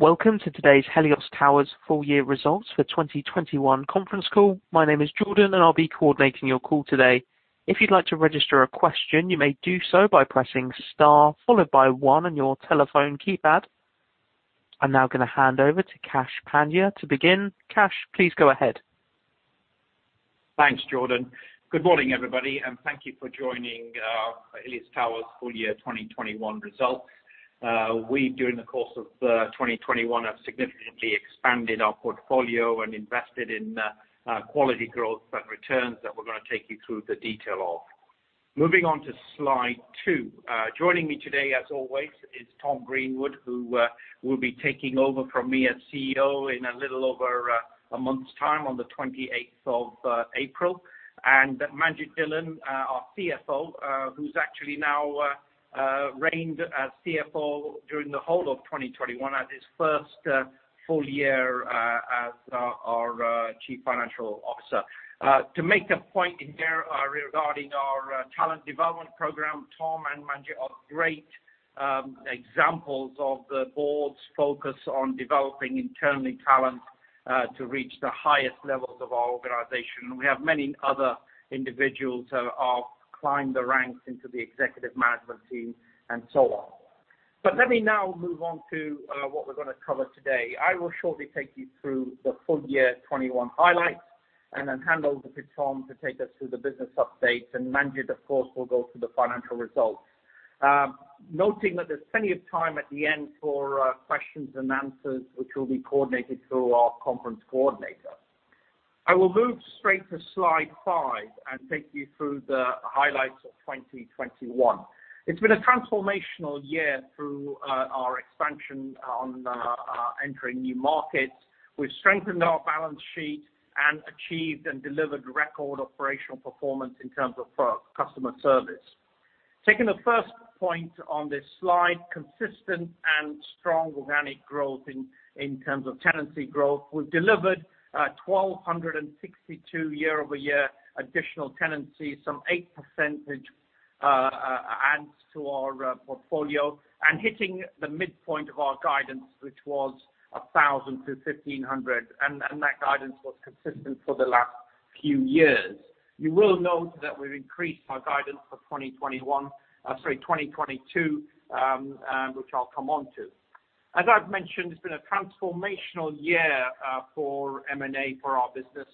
Welcome to today's Helios Towers full year results for 2021 conference call. My name is Jordan, and I'll be coordinating your call today. If you'd like to register a question, you may do so by pressing star followed by one on your telephone keypad. I'm now gonna hand over to Kash Pandya to begin. Kash, please go ahead. Thanks, Jordan. Good morning, everybody, and thank you for joining Helios Towers full year 2021 results. We during the course of 2021 have significantly expanded our portfolio and invested in quality growth and returns that we're gonna take you through the detail of. Moving on to slide two. Joining me today, as always, is Tom Greenwood, who will be taking over from me as CEO in a little over a month's time on the 28th of April, and Manjit Dhillon, our CFO, who's actually been our CFO during the whole of 2021 in his first full year as our Chief Financial Officer. To make the point in there regarding our talent development program, Tom and Manjit are great examples of the board's focus on developing internally talent to reach the highest levels of our organization. We have many other individuals who have climbed the ranks into the executive management team, and so on. Let me now move on to what we're gonna cover today. I will shortly take you through the full year 2021 highlights and then hand over to Tom to take us through the business update, and Manjit, of course, will go through the financial results. Noting that there's plenty of time at the end for questions and answers, which will be coordinated through our conference coordinator. I will move straight to slide five and take you through the highlights of 2021. It's been a transformational year through our expansion on entering new markets. We've strengthened our balance sheet and achieved and delivered record operational performance in terms of customer service. Taking the first point on this slide, consistent and strong organic growth in terms of tenancy growth. We've delivered 1,262 year-over-year additional tenancy, some 8% adds to our portfolio, and hitting the midpoint of our guidance, which was 1,000-1,500, that guidance was consistent for the last few years. You will note that we've increased our guidance for 2021, sorry, 2022, which I'll come on to. As I've mentioned, it's been a transformational year for M&A for our business.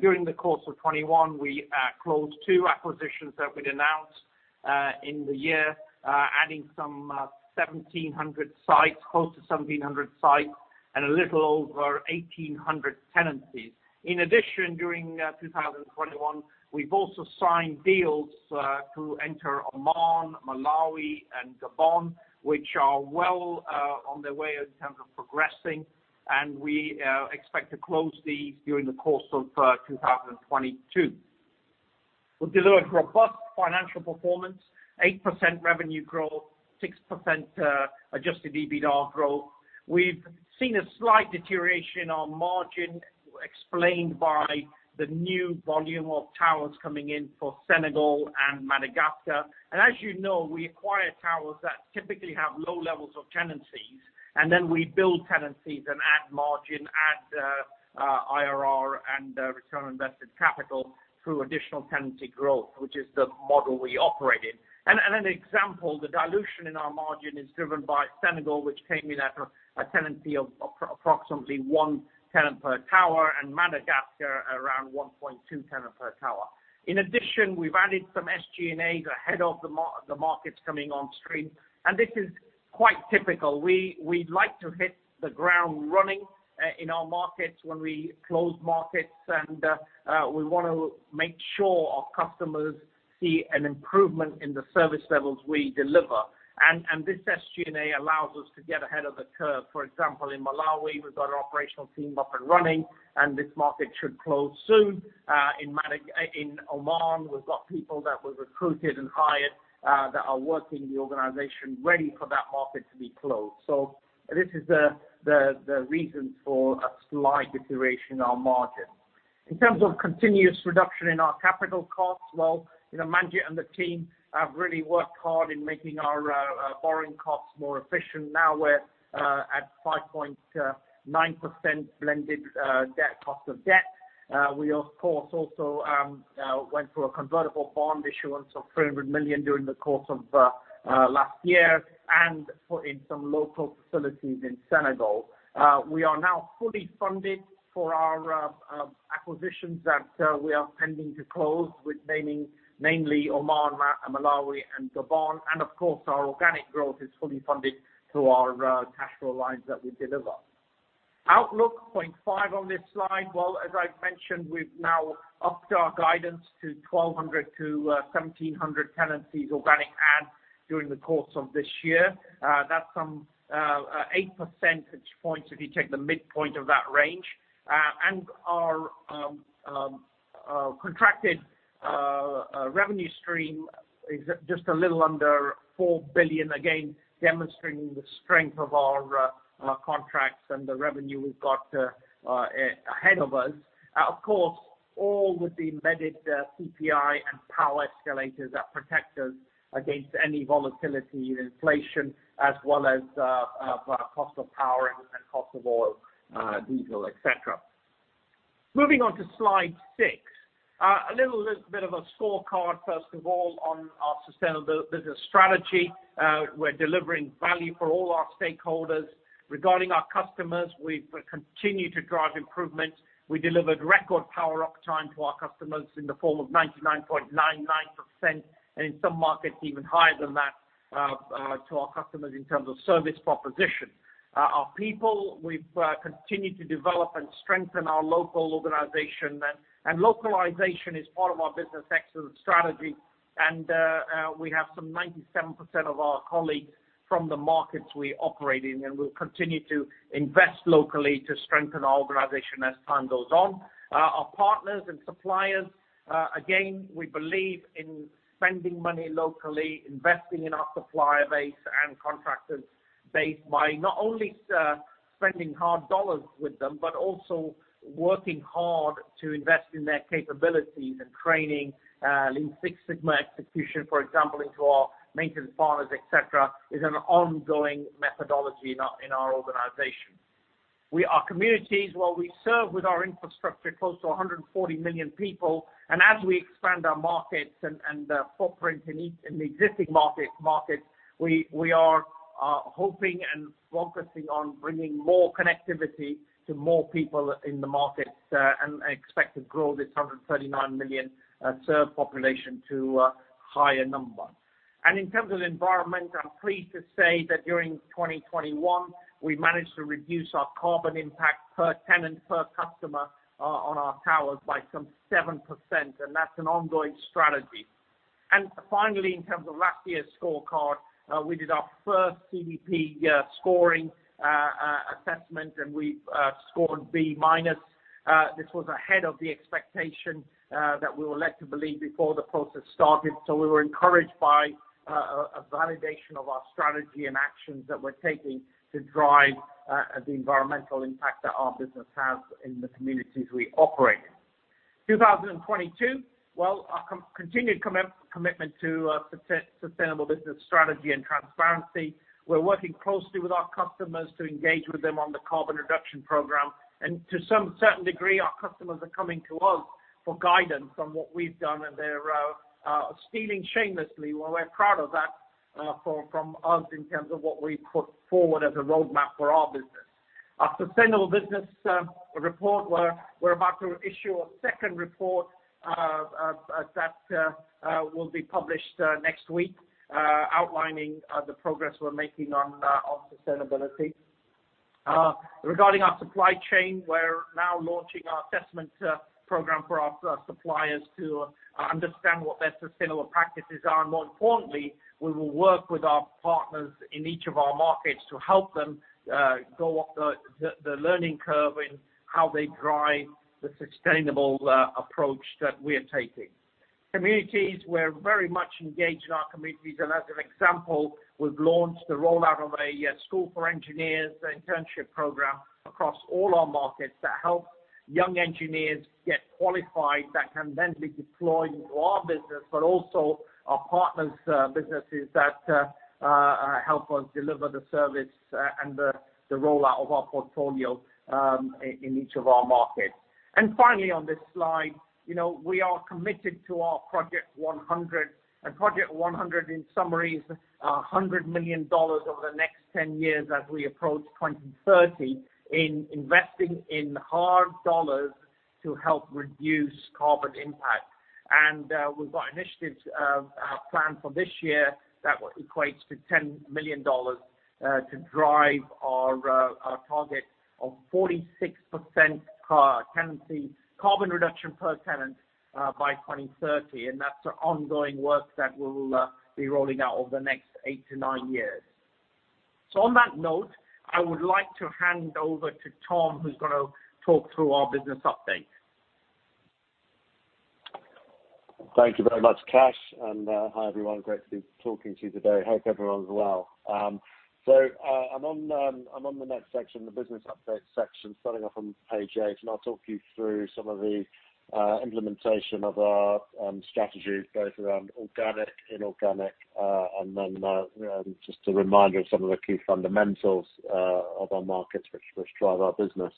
During the course of 2021, we closed two acquisitions that we'd announced in the year, adding some 1,700 sites, close to 1,700 sites, and a little over 1,800 tenancies. In addition, during 2021, we've also signed deals to enter Oman, Malawi, and Gabon, which are well on their way in terms of progressing, and we expect to close these during the course of 2022. We've delivered robust financial performance, 8% revenue growth, 6% adjusted EBITDA growth. We've seen a slight deterioration on margin explained by the new volume of towers coming in for Senegal and Madagascar. As you know, we acquire towers that typically have low levels of tenancies, and then we build tenancies and add margin, add IRR and return on invested capital through additional tenancy growth, which is the model we operate in. An example, the dilution in our margin is driven by Senegal, which came in at a tenancy of approximately one tenant per tower and Madagascar around 1.2 tenants per tower. In addition, we've added some SG&As ahead of the markets coming on stream, and this is quite typical. We'd like to hit the ground running in our markets when we close markets and we want to make sure our customers see an improvement in the service levels we deliver. This SG&A allows us to get ahead of the curve. For example, in Malawi, we've got an operational team up and running, and this market should close soon. In Oman, we've got people that were recruited and hired that are working in the organization ready for that market to be closed. This is the reason for a slight deterioration on margin. In terms of continuous reduction in our capital costs, well, you know, Manjit and the team have really worked hard in making our borrowing costs more efficient. Now we're at 5.9% blended cost of debt. We, of course, also went through a convertible bond issuance of $300 million during the course of last year and put in some local facilities in Senegal. We are now fully funded for our acquisitions that we are pending to close, mainly Oman, Malawi and Gabon. Of course, our organic growth is fully funded through our cash flow lines that we deliver. Outlook, point 5 on this slide. Well, as I've mentioned, we've now upped our guidance to 1,200-1,700 tenancies organic adds during the course of this year. That's some 8 percentage points if you take the midpoint of that range. Our contracted revenue stream is just a little under $4 billion, again, demonstrating the strength of our contracts and the revenue we've got ahead of us. Of course, all with the embedded CPI and power escalators that protect us against any volatility in inflation as well as cost of power and cost of oil, diesel, etc. Moving on to slide six. A little bit of a scorecard, first of all, on our sustainable business strategy. We're delivering value for all our stakeholders. Regarding our customers, we've continued to drive improvement. We delivered record power uptime to our customers in the form of 99.99%, and in some markets even higher than that, to our customers in terms of service proposition. Our people, we've continued to develop and strengthen our local organization. Localization is part of our business excellence strategy. We have some 97% of our colleagues from the markets we operate in, and we'll continue to invest locally to strengthen our organization as time goes on. Our partners and suppliers, again, we believe in spending money locally, investing in our supplier base and contractors base by not only spending hard dollars with them, but also working hard to invest in their capabilities and training, Lean Six Sigma execution, for example, into our maintenance partners, et cetera, is an ongoing methodology in our organization. We serve communities with our infrastructure close to 140 million people. As we expand our markets and footprint in the existing markets, we are hoping and focusing on bringing more connectivity to more people in the markets and expect to grow this 139 million served population to a higher number. In terms of environment, I'm pleased to say that during 2021, we managed to reduce our carbon impact per tenant per customer on our towers by some 7%, and that's an ongoing strategy. Finally, in terms of last year's scorecard, we did our first CDP scoring assessment, and we scored B minus. This was ahead of the expectation that we were led to believe before the process started. We were encouraged by a validation of our strategy and actions that we're taking to drive the environmental impact that our business has in the communities we operate. 2022, our continued commitment to sustainable business strategy and transparency, we're working closely with our customers to engage with them on the carbon reduction program. To some degree, our customers are coming to us for guidance on what we've done, and they're stealing shamelessly. We're proud of that from us in terms of what we put forward as a roadmap for our business. Our sustainable business report, we're about to issue a second report that will be published next week, outlining the progress we're making on sustainability. Regarding our supply chain, we're now launching our assessment program for our suppliers to understand what their sustainable practices are. More importantly, we will work with our partners in each of our markets to help them go up the learning curve in how they drive the sustainable approach that we're taking. Communities, we're very much engaged in our communities. As an example, we've launched the rollout of a school for engineers internship program across all our markets that help young engineers get qualified that can then be deployed into our business, but also our partners' businesses that help us deliver the service and the rollout of our portfolio in each of our markets. Finally, on this slide, you know, we are committed to our Project 100. Project 100, in summary, is $100 million over the next 10 years as we approach 2030 in investing in hard dollars to help reduce carbon impact. We've got initiatives planned for this year that equates to $10 million to drive our target of 46% per tenancy carbon reduction per tenant by 2030. That's an ongoing work that we'll be rolling out over the next 8-9 years. On that note, I would like to hand over to Tom, who's gonna talk through our business update. Thank you very much, Kash. Hi, everyone. Great to be talking to you today. Hope everyone's well. I'm on the next section, the business update section, starting off on page eight, and I'll talk you through some of the implementation of our strategy, both around organic, inorganic, and then just a reminder of some of the key fundamentals of our markets which drive our business.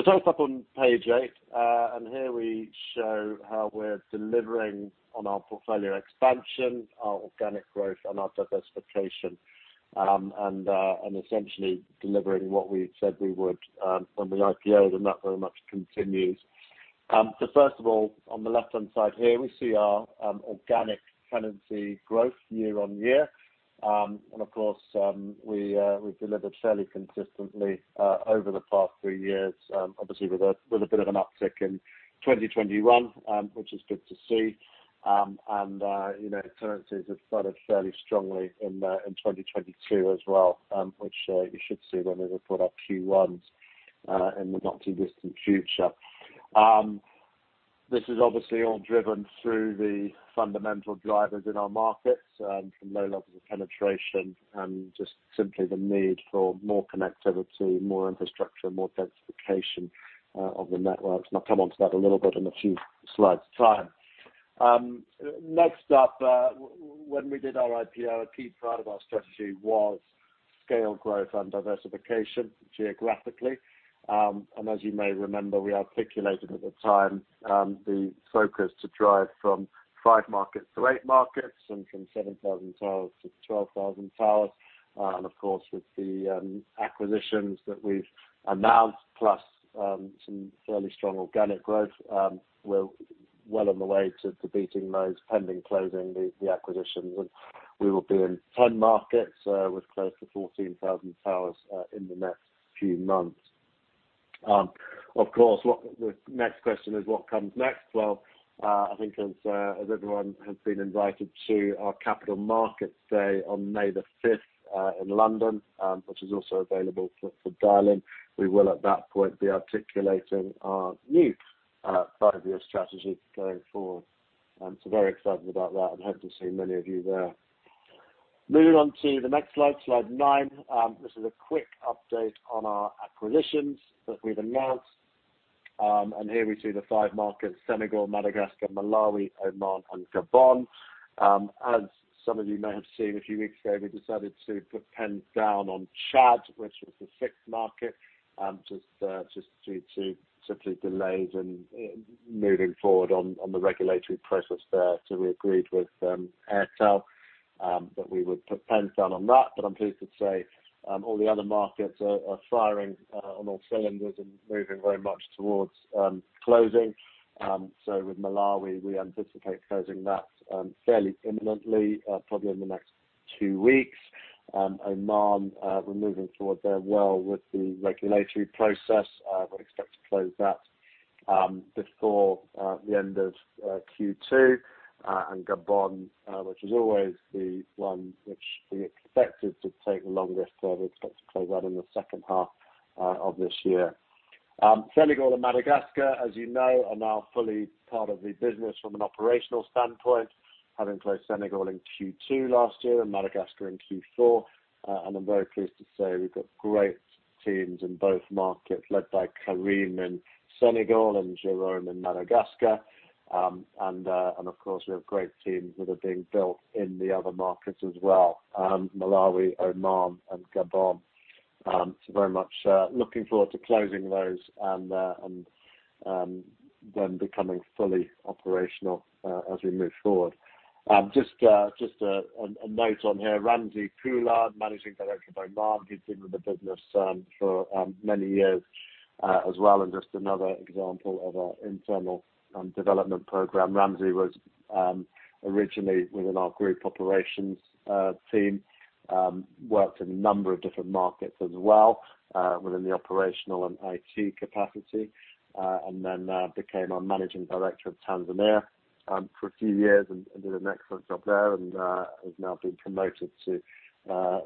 Start off up on page eight, and here we show how we're delivering on our portfolio expansion, our organic growth, and our diversification, and essentially delivering what we had said we would from the IPO, and that very much continues. First of all, on the left-hand side here, we see our organic tenancy growth year-on-year. Of course, we’ve delivered fairly consistently over the past three years, obviously with a bit of an uptick in 2021, and you know, tenancies have started fairly strongly in 2022 as well, which you should see when we report our Q1s in the not too distant future. This is obviously all driven through the fundamental drivers in our markets, from low levels of penetration and just simply the need for more connectivity, more infrastructure, more densification of the networks, and I'll come onto that a little bit in a few slides' time. Next up, when we did our IPO, a key part of our strategy was scale growth and diversification geographically. As you may remember, we articulated at the time the focus to drive from five markets to eight markets and from 7,000 towers-12,000 towers. Of course, with the acquisitions that we've announced, plus some fairly strong organic growth, we're well on the way to beating those pending closing the acquisitions. We will be in 10 markets, with close to 14,000 towers, in the next few months. Of course, the next question is what comes next? Well, I think as everyone has been invited to our capital markets day on May the fifth, in London, which is also available for dial-in, we will at that point be articulating our new five-year strategy going forward. Very excited about that and hope to see many of you there. Moving on to the next slide nine. This is a quick update on our acquisitions that we've announced. And here we see the 5 markets, Senegal, Madagascar, Malawi, Oman, and Gabon. As some of you may have seen a few weeks ago, we decided to put pen down on Chad, which was the sixth market, just due to simply delays in moving forward on the regulatory process there. We agreed with Airtel that we would put pens down on that, but I'm pleased to say all the other markets are firing on all cylinders and moving very much towards closing. With Malawi, we anticipate closing that fairly imminently, probably in the next two weeks. Oman, we're moving towards there well with the regulatory process. We would expect to close that before the end of Q2. Gabon, which is always the one which we expected to take the longest, so we expect to close that in the second half of this year. Senegal and Madagascar, as you know, are now fully part of the business from an operational standpoint, having closed Senegal in Q2 last year and Madagascar in Q4. I'm very pleased to say we've got great teams in both markets led by Karim in Senegal and Jerome in Madagascar. Of course, we have great teams that are being built in the other markets as well, Malawi, Oman, and Gabon. Very much looking forward to closing those and them becoming fully operational as we move forward. Just a note on here, Ramzi Poulad, Managing Director of Oman, he's been with the business for many years as well, and just another example of our internal development program. Ramzi was originally within our group operations team, worked in a number of different markets as well, within the operational and IT capacity, and then became our Managing Director of Tanzania for a few years and did an excellent job there and has now been promoted to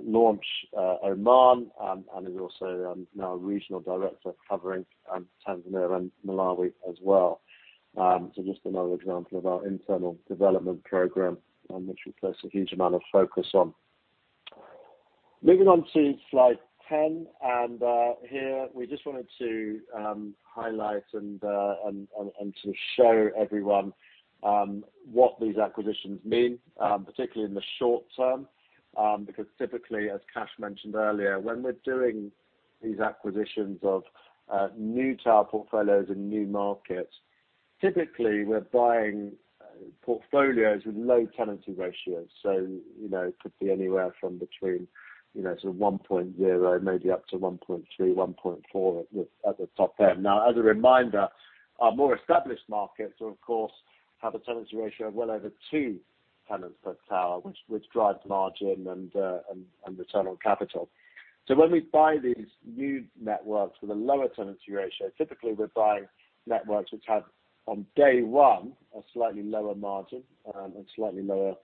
launch Oman and is also now Regional Director covering Tanzania and Malawi as well. Just another example of our internal development program on which we place a huge amount of focus on. Moving on to slide 10, here we just wanted to highlight and to show everyone what these acquisitions mean, particularly in the short term, because typically, as Cash mentioned earlier, when we're doing these acquisitions of new tower portfolios in new markets, typically, we're buying portfolios with low tenancy ratios. You know, it could be anywhere from between, you know, sort of 1.0, maybe up to 1.3, 1.4 at the top end. Now, as a reminder, our more established markets, of course, have a tenancy ratio of well over two tenants per tower, which drives margin and return on capital. When we buy these new networks with a lower tenancy ratio, typically we're buying networks which have on day one a slightly lower margin and slightly lower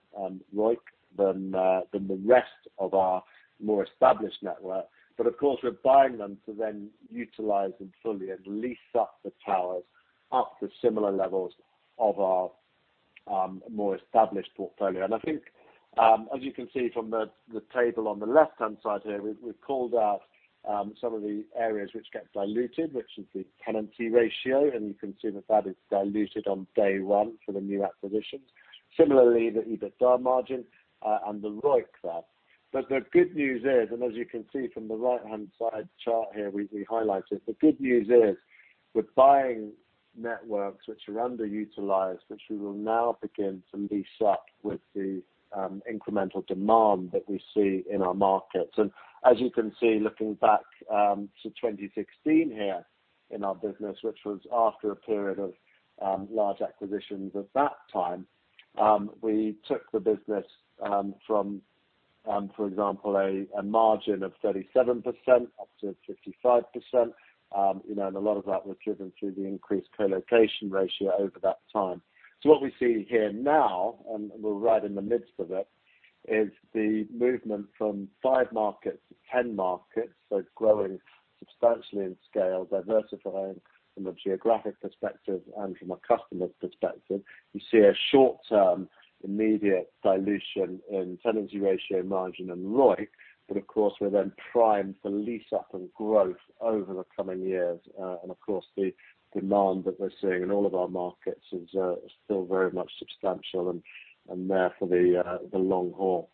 ROIC than the rest of our more established network. Of course, we're buying them to then utilize them fully and lease up the towers up to similar levels of our more established portfolio. I think as you can see from the table on the left-hand side here, we've called out some of the areas which get diluted, which is the tenancy ratio, and you can see that that is diluted on day one for the new acquisitions. Similarly, the EBITDA margin and the ROIC there. The good news is, and as you can see from the right-hand side chart here we highlighted, the good news is we're buying networks which are underutilized, which we will now begin to lease up with the incremental demand that we see in our markets. As you can see, looking back to 2016 here in our business, which was after a period of large acquisitions at that time, we took the business from, for example, a margin of 37% up to 55%, you know, and a lot of that was driven through the increased co-location ratio over that time. What we see here now, and we're right in the midst of it, is the movement from five markets to 10 markets. Growing substantially in scale, diversifying from a geographic perspective and from a customer perspective. You see a short-term immediate dilution in tenancy ratio margin and ROIC. Of course, we're then primed for lease up and growth over the coming years. Of course, the demand that we're seeing in all of our markets is still very much substantial and there for the long haul.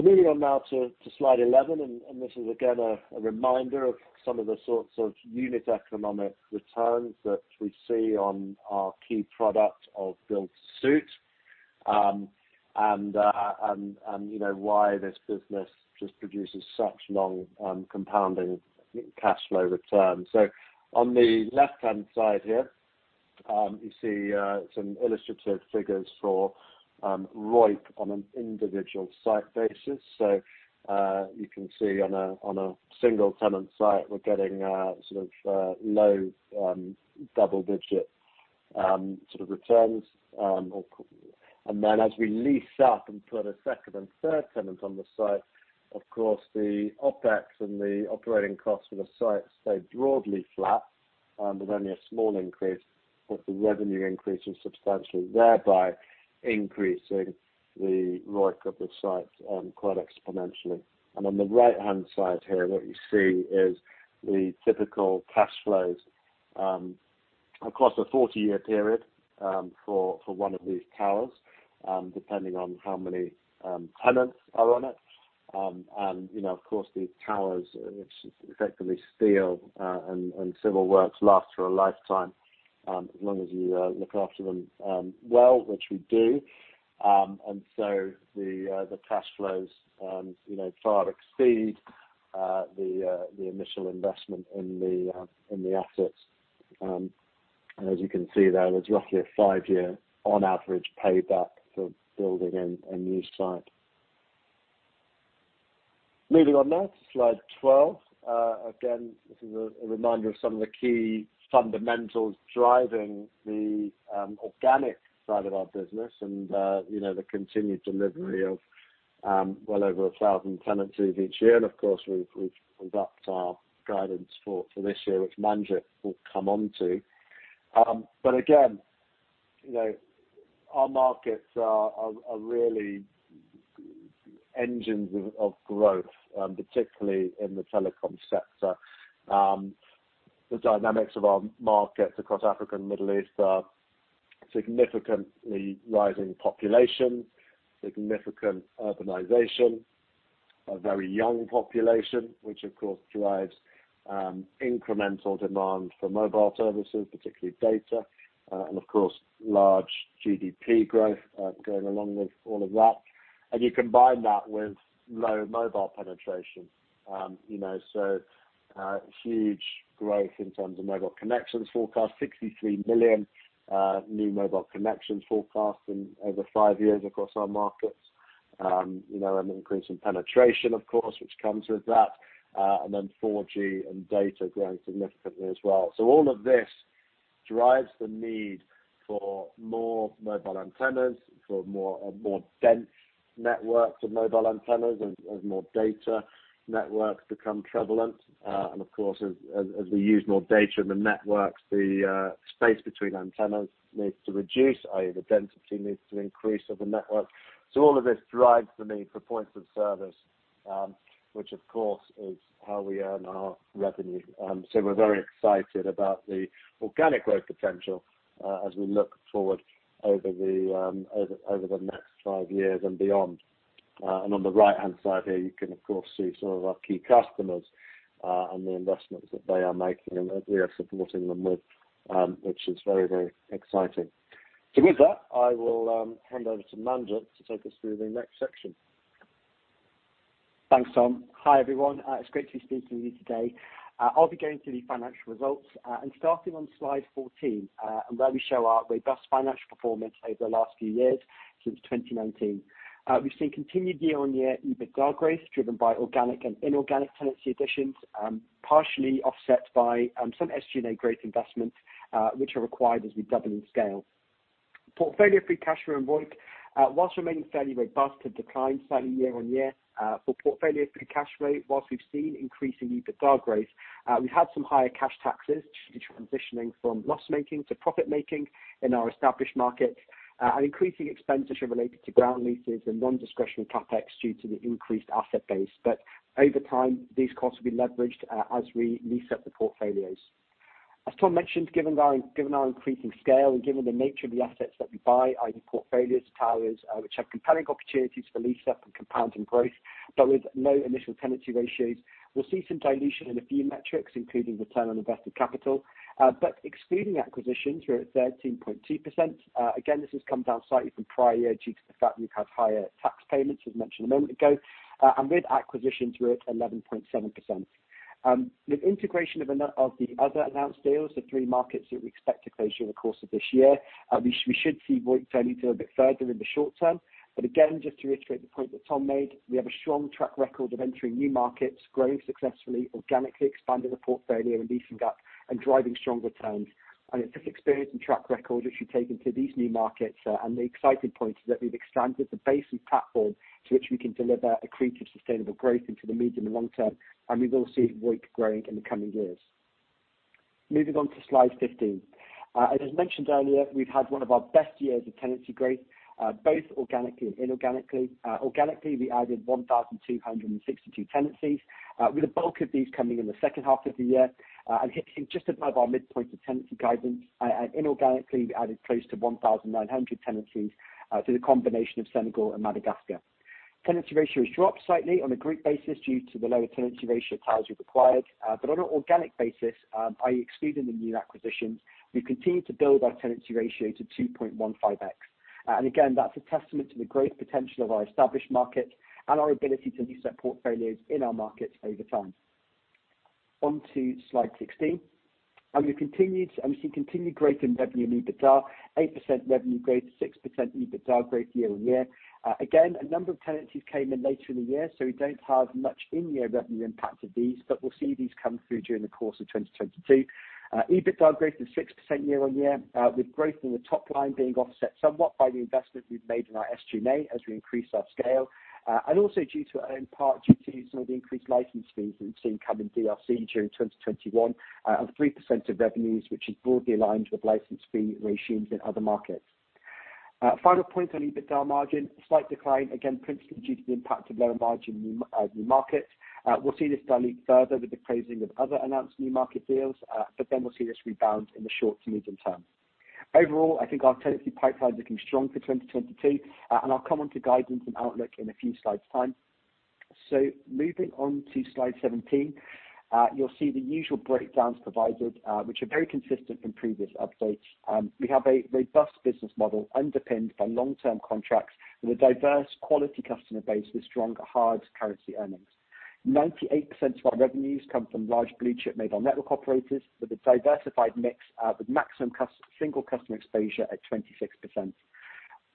Moving on now to slide 11, and this is again a reminder of some of the sorts of unit economic returns that we see on our key product of Build-to-Suit. You know why this business just produces such long compounding cash flow returns. On the left-hand side here, you see some illustrative figures for ROIC on an individual site basis. You can see on a single tenant site, we're getting sort of low double-digit sort of returns. Then as we lease up and put a second and third tenant on the site, of course, the OpEx and the operating costs for the site stay broadly flat with only a small increase, but the revenue increases substantially, thereby increasing the ROIC of the site quite exponentially. On the right-hand side here, what you see is the typical cash flows across a 40-year period for one of these towers depending on how many tenants are on it. You know, of course, these towers, which is effectively steel and civil works, last for a lifetime as long as you look after them well, which we do. The cash flows you know far exceed the initial investment in the assets. As you can see there's roughly a five-year on average payback for building a new site. Moving on now to slide 12. Again, this is a reminder of some of the key fundamentals driving the organic side of our business and you know the continued delivery of well over 1,000 tenancies each year. Of course, we've bumped our guidance for this year, which Manjit will come onto. Again, you know, our markets are really engines of growth, particularly in the telecom sector. The dynamics of our markets across Africa and Middle East are significantly rising population, significant urbanization, a very young population, which of course drives incremental demand for mobile services, particularly data, and of course, large GDP growth going along with all of that. You combine that with low mobile penetration, you know, so huge growth in terms of mobile connections forecast, 63 million new mobile connections forecast in over five years across our markets. You know, an increase in penetration of course, which comes with that, and then 4G and data growing significantly as well. All of this drives the need for more mobile antennas, for more dense networks of mobile antennas as more data networks become prevalent. Of course, as we use more data in the networks, the space between antennas needs to reduce, i.e. the density needs to increase of the network. All of this drives the need for points of service, which of course is how we earn our revenue. We're very excited about the organic growth potential, as we look forward over the next five years and beyond. On the right-hand side here, you can of course see some of our key customers, and the investments that they are making and that we are supporting them with, which is very exciting. With that, I will hand over to Manjit to take us through the next section. Thanks, Tom. Hi, everyone. It's great to be speaking with you today. I'll be going through the financial results, and starting on slide 14, and where we show our robust financial performance over the last few years since 2019. We've seen continued year-on-year EBITDA growth, driven by organic and inorganic tenancy additions, partially offset by some SG&A growth investments, which are required as we double in scale. Portfolio free cash flow and ROIC, whilst remaining fairly robust, have declined slightly year-on-year. For portfolio free cash flow, whilst we've seen increasing EBITDA growth, we had some higher cash taxes due to transitioning from loss-making to profit-making in our established markets, and increasing expenditure related to ground leases and non-discretionary CapEx due to the increased asset base. Over time, these costs will be leveraged as we lease up the portfolios. As Tom mentioned, given our increasing scale and given the nature of the assets that we buy, i.e. portfolios, towers, which have compelling opportunities for lease-up and compounding growth, but with low initial tenancy ratios, we'll see some dilution in a few metrics, including return on invested capital. Excluding acquisitions, we're at 13.2%. Again, this has come down slightly from prior year due to the fact we've had higher tax payments, as mentioned a moment ago. With acquisitions, we're at 11.7%. With integration of the other announced deals, the three markets that we expect to close during the course of this year, we should see ROIC turning to a bit further in the short term. Again, just to reiterate the point that Tom made, we have a strong track record of entering new markets, growing successfully, organically expanding the portfolio and leasing up and driving strong returns. It's this experience and track record which we take into these new markets, and the exciting point is that we've expanded the base and platform to which we can deliver accretive sustainable growth into the medium and long term, and we will see ROIC growing in the coming years. Moving on to slide 15. As mentioned earlier, we've had one of our best years of tenancy growth, both organically and inorganically. Organically, we added 1,262 tenancies, with the bulk of these coming in the second half of the year, and hitting just above our midpoint of tenancy guidance. Inorganically, we added close to 1,900 tenancies through the combination of Senegal and Madagascar. Tenancy ratio has dropped slightly on a group basis due to the lower tenancy ratio towers we've acquired. On an organic basis, i.e., excluding the new acquisitions, we continue to build our tenancy ratio to 2.15x. Again, that's a testament to the growth potential of our established markets and our ability to lease up portfolios in our markets over time. On to slide 16. We see continued growth in revenue and EBITDA. 8% revenue growth, 6% EBITDA growth year-over-year. Again, a number of tenancies came in later in the year, so we don't have much in-year revenue impact of these, but we'll see these come through during the course of 2022. EBITDA growth is 6% year-on-year, with growth in the top line being offset somewhat by the investment we've made in our SG&A as we increase our scale, and also due in part to some of the increased license fees that we've seen come in DRC during 2021, of 3% of revenues, which is broadly aligned with license fee regimes in other markets. Final point on EBITDA margin, a slight decline, again, principally due to the impact of lower margin new markets. We'll see this dilute further with the closing of other announced new market deals, but then we'll see this rebound in the short to medium term. Overall, I think our tenancy pipeline is looking strong for 2022, and I'll come on to guidance and outlook in a few slides' time. Moving on to slide 17, you'll see the usual breakdowns provided, which are very consistent from previous updates. We have a robust business model underpinned by long-term contracts with a diverse quality customer base with strong hard currency earnings. 98% of our revenues come from large blue chip mobile network operators with a diversified mix, with maximum single customer exposure at 26%.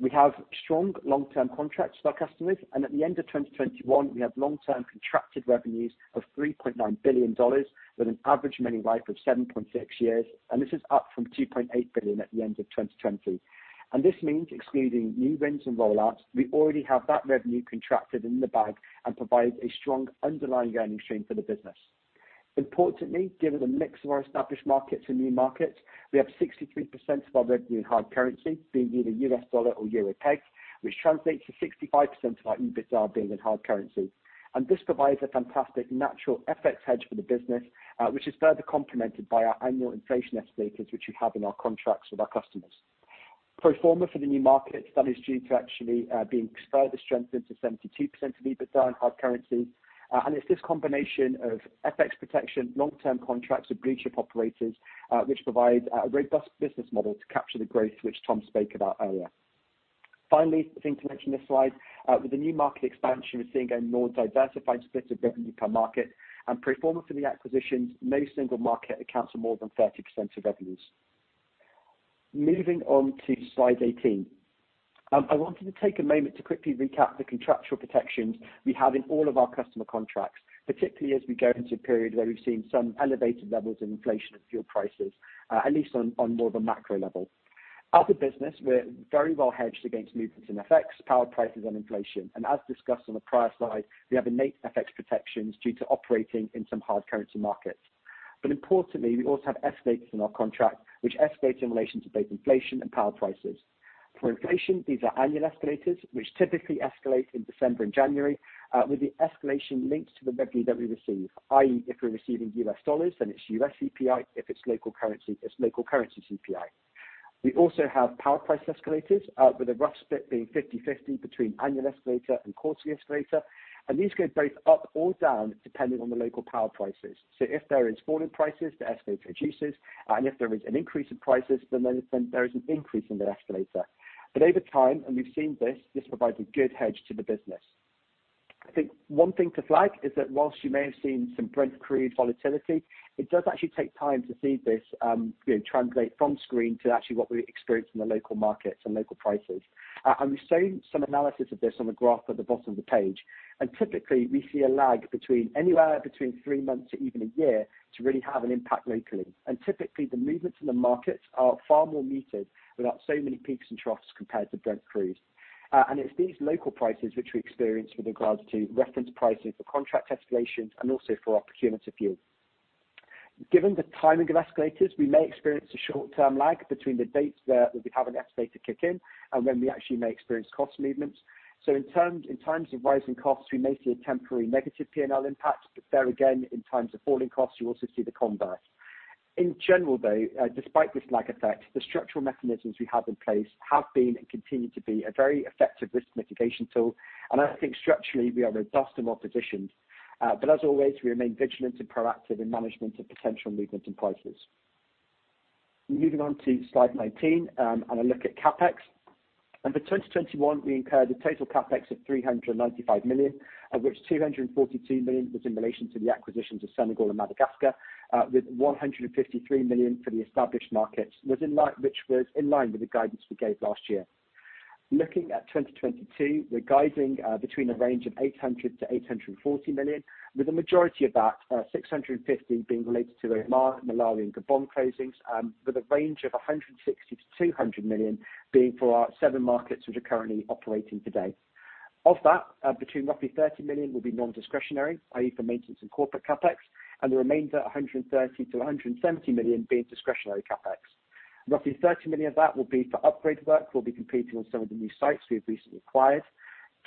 We have strong long-term contracts with our customers, and at the end of 2021, we have long-term contracted revenues of $3.9 billion with an average remaining life of 7.6 years, and this is up from $2.8 billion at the end of 2020. This means excluding new wins and roll-outs, we already have that revenue contracted in the bag and provides a strong underlying earnings stream for the business. Importantly, given the mix of our established markets and new markets, we have 63% of our revenue in hard currency, being either US dollar or euro pegged, which translates to 65% of our EBITDA being in hard currency. This provides a fantastic natural FX hedge for the business, which is further complemented by our annual inflation escalators, which we have in our contracts with our customers. Pro forma for the new markets, that is actually being further strengthened to 72% of EBITDA in hard currency. It's this combination of FX protection, long-term contracts with blue chip operators, which provides a robust business model to capture the growth which Tom spoke about earlier. Finally, a thing to mention this slide, with the new market expansion, we're seeing a more diversified split of revenue per market. Pro forma for the acquisitions, no single market accounts for more than 30% of revenues. Moving on to slide 18. I wanted to take a moment to quickly recap the contractual protections we have in all of our customer contracts, particularly as we go into a period where we've seen some elevated levels of inflation and fuel prices, at least on more of a macro level. As a business, we're very well hedged against movements in FX, power prices, and inflation. As discussed on the prior slide, we have innate FX protections due to operating in some hard currency markets. Importantly, we also have escalators in our contract which escalate in relation to both inflation and power prices. For inflation, these are annual escalators, which typically escalate in December and January, with the escalation linked to the revenue that we receive, i.e., if we're receiving U.S. dollars, then it's U.S. CPI, if it's local currency, it's local currency CPI. We also have power price escalators, with a rough split being 50/50 between annual escalator and quarterly escalator, and these go both up or down depending on the local power prices. If there is falling prices, the escalator reduces, and if there is an increase in prices, then there is an increase in the escalator. Over time, and we've seen this provides a good hedge to the business. I think one thing to flag is that while you may have seen some Brent crude volatility, it does actually take time to see this, translate from screen to actually what we experience in the local markets and local prices. We've shown some analysis of this on the graph at the bottom of the page. Typically, we see a lag between anywhere between three months to even a year to really have an impact locally. Typically, the movements in the markets are far more muted without so many peaks and troughs compared to Brent crude. It's these local prices which we experience with regards to reference pricing for contract escalations and also for our procurement of fuel. Given the timing of escalators, we may experience a short-term lag between the dates that we have an escalator kick in and when we actually may experience cost movements. In times of rising costs, we may see a temporary negative P&L impact. There again, in times of falling costs, you also see the converse. In general, though, despite this lag effect, the structural mechanisms we have in place have been and continue to be a very effective risk mitigation tool. I think structurally we are robust in our positions. As always, we remain vigilant and proactive in management of potential movements in prices. Moving on to slide 19, a look at CapEx. For 2021, we incurred a total CapEx of $395 million, of which $242 million was in relation to the acquisitions of Senegal and Madagascar, with $153 million for the established markets, which was in line with the guidance we gave last year. Looking at 2022, we're guiding between a range of $800 million-$840 million, with a majority of that, $650 million being related to Oman, Malawi, and Gabon closings, with a range of $160 million-$200 million being for our seven markets which are currently operating today. Of that, between roughly $30 million will be non-discretionary, i.e. for maintenance and corporate CapEx, and the remainder, $130 million-$170 million being discretionary CapEx. Roughly $30 million of that will be for upgrade work we'll be completing on some of the new sites we have recently acquired.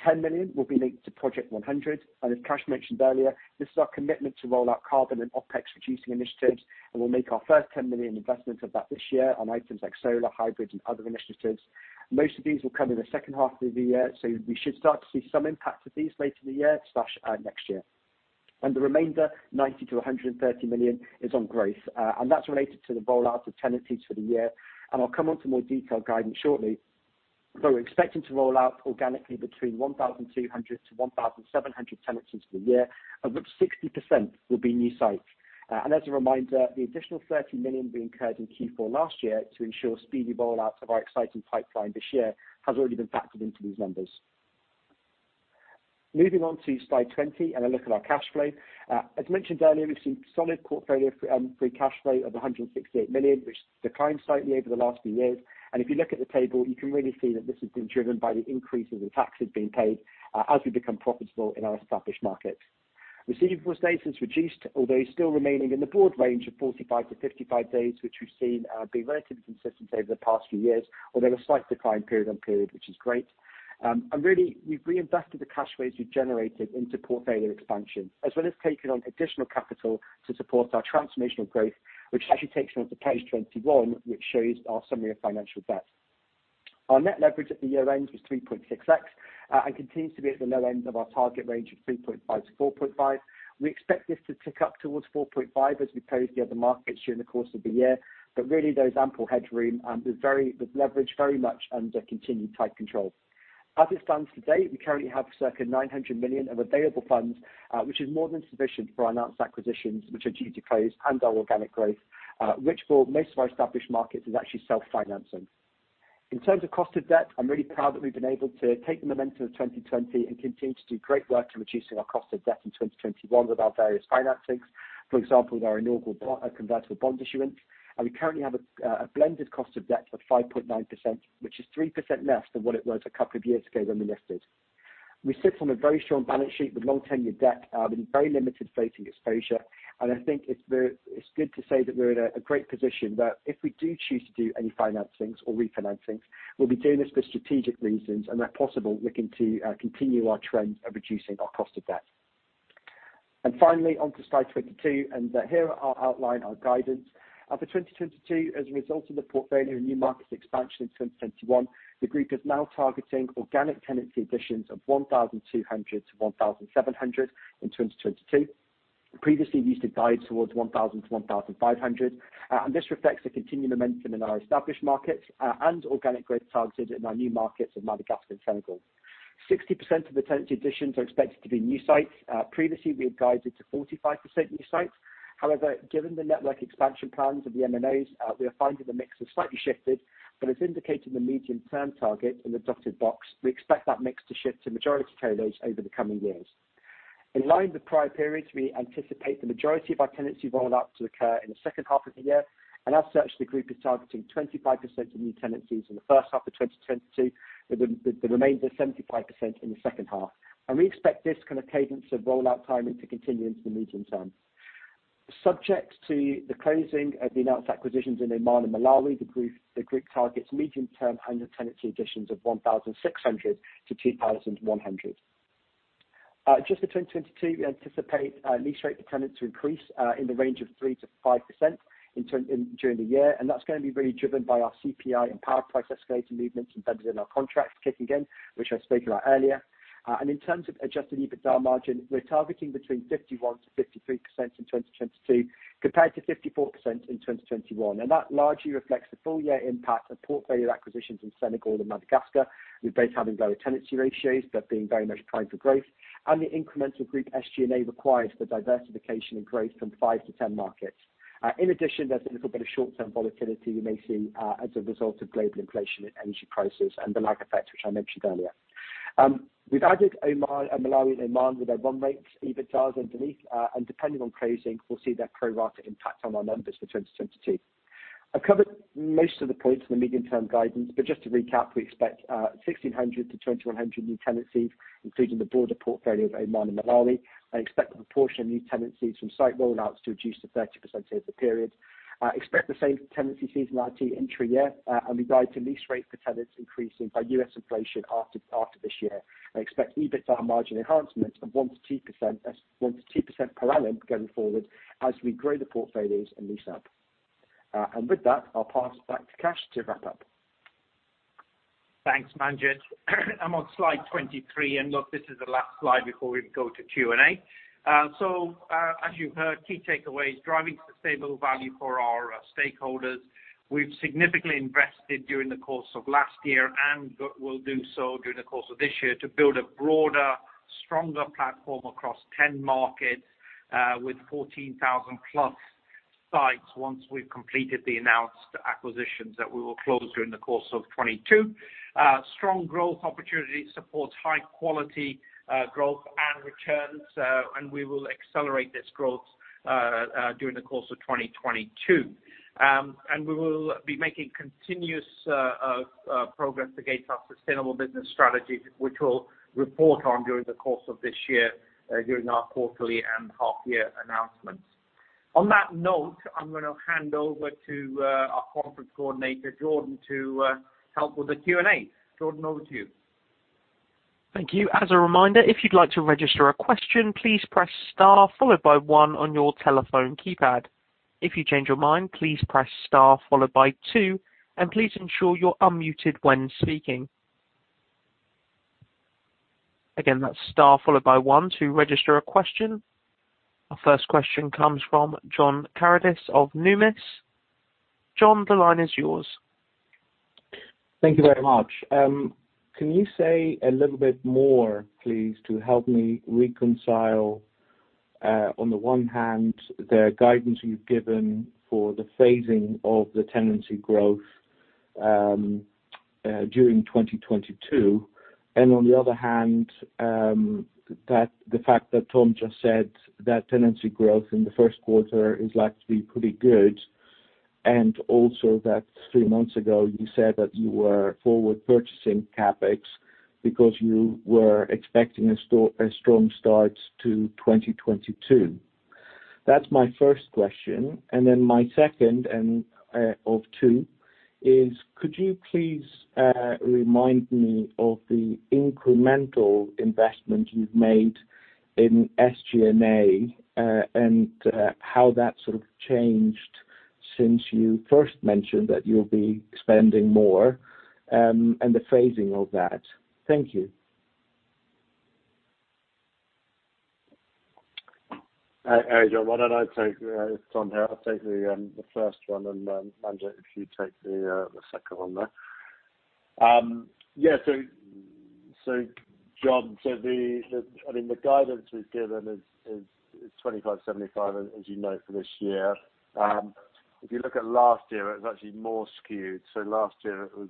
$10 million will be linked to Project 100, and as Kash mentioned earlier, this is our commitment to roll out carbon and OpEx reducing initiatives, and we'll make our first $10 million investment of that this year on items like solar, hybrid, and other initiatives. Most of these will come in the second half of the year, so we should start to see some impact of these later in the year or next year. The remainder, $90 million-$130 million, is on growth, and that's related to the rollout of tenancies for the year. I'll come on to more detailed guidance shortly. We're expecting to roll out organically between 1,200-1,700 tenancies for the year, of which 60% will be new sites. As a reminder, the additional $30 million we incurred in Q4 last year to ensure speedy rollout of our exciting pipeline this year has already been factored into these numbers. Moving on to slide 20 and a look at our cash flow. As mentioned earlier, we've seen solid portfolio free cash flow of $168 million, which declined slightly over the last few years. If you look at the table, you can really see that this has been driven by the increases in taxes being paid, as we become profitable in our established markets. Receivables days has reduced, although still remaining in the broad range of 45-55 days, which we've seen be relatively consistent over the past few years, although a slight decline period on period, which is great. Really, we've reinvested the cash flows we've generated into portfolio expansion, as well as taking on additional capital to support our transformational growth, which actually takes me on to page 21, which shows our summary of financial debt. Our net leverage at the year-end was 3.6x and continues to be at the low end of our target range of 3.5-4.5x. We expect this to tick up towards 4.5x as we close the other markets during the course of the year, but really there is ample headroom, and with leverage very much under continued tight control. As it stands today, we currently have circa $900 million of available funds, which is more than sufficient for our announced acquisitions, which are due to close, and our organic growth, which for most of our established markets is actually self-financing. In terms of cost of debt, I'm really proud that we've been able to take the momentum of 2020 and continue to do great work to reducing our cost of debt in 2021 with our various financings, for example, with our inaugural convertible bond issuance. We currently have a blended cost of debt of 5.9%, which is 3% less than what it was a couple of years ago when we listed. We sit on a very strong balance sheet with long-tenured debt, and very limited floating exposure. I think it's good to say that we're in a great position where if we do choose to do any financings or refinancings, we'll be doing this for strategic reasons and where possible looking to continue our trend of reducing our cost of debt. Finally, on to slide 22, here I'll outline our guidance. For 2022, as a result of the portfolio of new markets expansion in 2021, the group is now targeting organic tenancy additions of 1,200-1,700 in 2022. Previously we used to guide towards 1,000-1,500. This reflects the continued momentum in our established markets and organic growth targeted in our new markets of Madagascar and Senegal. 60% of the tenancy additions are expected to be new sites. Previously we had guided to 45% new sites. However, given the network expansion plans of the M&As, we are finding the mix has slightly shifted, but as indicated in the medium-term target in the dotted box, we expect that mix to shift to majority co-locs over the coming years. In line with prior periods, we anticipate the majority of our tenancy rollout to occur in the second half of the year, and as such, the group is targeting 25% of new tenancies in the first half of 2022, with the remainder 75% in the second half. We expect this kind of cadence of rollout timing to continue into the medium term. Subject to the closing of the announced acquisitions in Oman and Malawi, the group targets medium-term annual tenancy additions of 1,600-2,100. Adjusted to 2022, we anticipate lease rate per tenant to increase in the range of 3%-5% during the year, and that's gonna be really driven by our CPI and power price escalator movements embedded in our contracts kicking in, which I spoke about earlier. In terms of adjusted EBITDA margin, we're targeting between 51%-53% in 2022, compared to 54% in 2021. That largely reflects the full year impact of portfolio acquisitions in Senegal and Madagascar, with both having lower tenancy ratios but being very much primed for growth, and the incremental group SG&A required for diversification and growth from five to 10 markets. In addition, there's a little bit of short-term volatility we may see as a result of global inflation in energy prices and the lag effect which I mentioned earlier. We've added Oman, Malawi and Oman with their run rate EBITDA underneath, and depending on closing, we'll see their pro rata impact on our numbers for 2022. I've covered most of the points in the medium-term guidance. Just to recap, we expect 1,600-2,100 new tenancies, including the broader portfolio of Oman and Malawi, and expect the proportion of new tenancies from site rollouts to reduce to 30% over the period, expect the same tenancy seasonality intra-year, and we guide to lease rate per tenants increasing by U.S. inflation after this year, and expect EBITDA margin enhancement of 1%-2% per annum going forward as we grow the portfolios and lease up. With that, I'll pass it back to Kash to wrap up. Thanks, Manjit. I'm on slide 23, and look, this is the last slide before we go to Q&A. So, as you heard, key takeaways, driving sustainable value for our stakeholders. We've significantly invested during the course of last year and will do so during the course of this year to build a broader, stronger platform across 10 markets with 14,000+ sites once we've completed the announced acquisitions that we will close during the course of 2022. Strong growth opportunity supports high quality growth and returns, and we will accelerate this growth during the course of 2022. We will be making continuous progress against our sustainable business strategies, which we'll report on during the course of this year during our quarterly and half year announcements. On that note, I'm gonna hand over to our conference coordinator, Jordan, to help with the Q&A. Jordan, over to you. Thank you. As a reminder, if you'd like to register a question, please press star followed by one on your telephone keypad. If you change your mind, please press star followed by two, and please ensure you're unmuted when speaking. Our first question comes from John Karidis of Numis. John, the line is yours. Thank you very much. Can you say a little bit more, please, to help me reconcile, on the one hand, the guidance you've given for the phasing of the tenancy growth, during 2022, and on the other hand, that the fact that Tom just said that tenancy growth in the first quarter is likely to be pretty good, and also that three months ago you said that you were forward purchasing CapEx because you were expecting a strong start to 2022. That's my first question. Then my second and of two is could you please remind me of the incremental investment you've made in SG&A, and how that sort of changed since you first mentioned that you'll be spending more, and the phasing of that? Thank you. All right, John, why don't I take it. I'll take the first one and Manjit, if you take the second one there. John, the guidance we've given is 25-75, as you know, for this year. If you look at last year, it was actually more skewed. Last year it was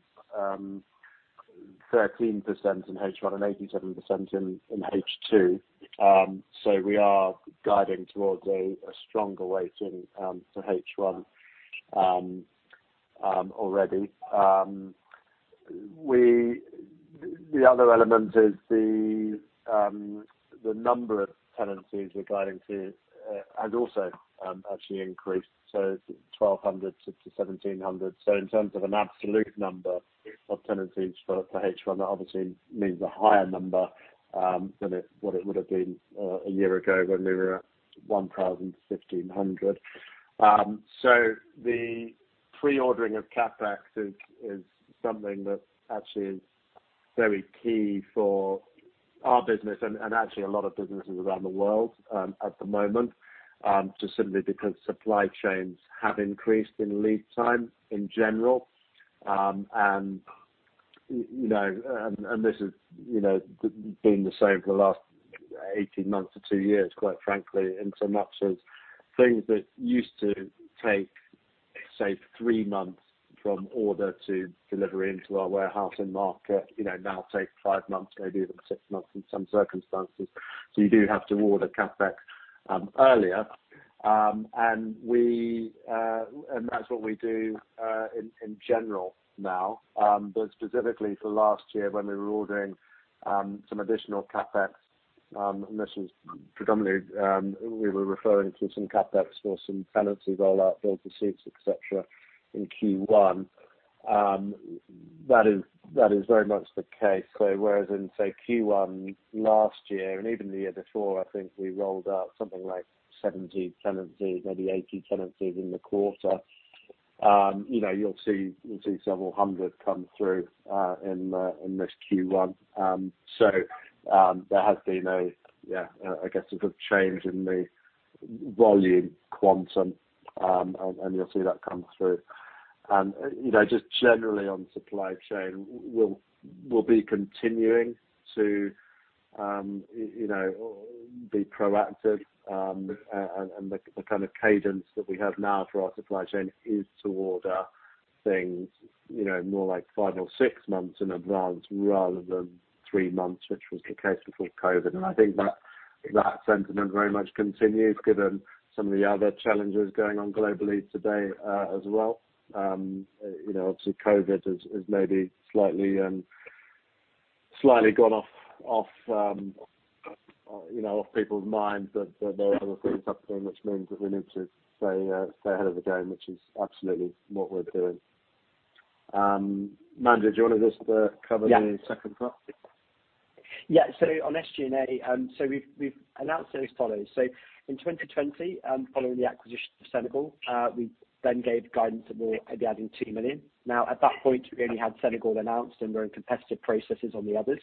13% in H1 and 87% in H2. We are guiding towards a stronger weighting for H1 already. The other element is the number of tenancies we're guiding to has also actually increased. It's 1,200-1,700. In terms of an absolute number of tenancies for H1, that obviously means a higher number than what it would have been a year ago when we were 1,000-1,500. The pre-ordering of CapEx is something that actually is very key for our business and actually a lot of businesses around the world at the moment just simply because supply chains have increased in lead time in general. You know, this has been the same for the last 18 months-2 years, quite frankly, in so much as things that used to take, say, 3 months from order to delivery into our warehouse and market, you know, now take five months, maybe even six months in some circumstances. You do have to order CapEx earlier. That's what we do in general now. Specifically for last year when we were ordering some additional CapEx, and this was predominantly we were referring to some CapEx for some tenancy rollout, Build-to-Suit, et cetera, in Q1, that is very much the case. Whereas in, say, Q1 last year and even the year before, I think we rolled out something like 70 tenancies, maybe 80 tenancies in the quarter, you know, you'll see several hundred come through in this Q1. There has been a, yeah, I guess a good change in the volume quantum, and you'll see that come through. You know, just generally on supply chain, we'll be continuing to, you know, be proactive, and the kind of cadence that we have now for our supply chain is to order things, you know, more like five or six months in advance rather than three months, which was the case before COVID. I think that sentiment very much continues given some of the other challenges going on globally today, as well. You know, obviously COVID has maybe slightly gone off people's minds, but there are other things happening which means that we need to stay ahead of the game, which is absolutely what we're doing. Manjit, do you want to just cover the second part? Yeah. On SG&A, we've announced as follows. In 2020, following the acquisition of Senegal, we then gave guidance that we're adding $2 million. Now at that point we only had Senegal announced and we're in competitive processes on the others.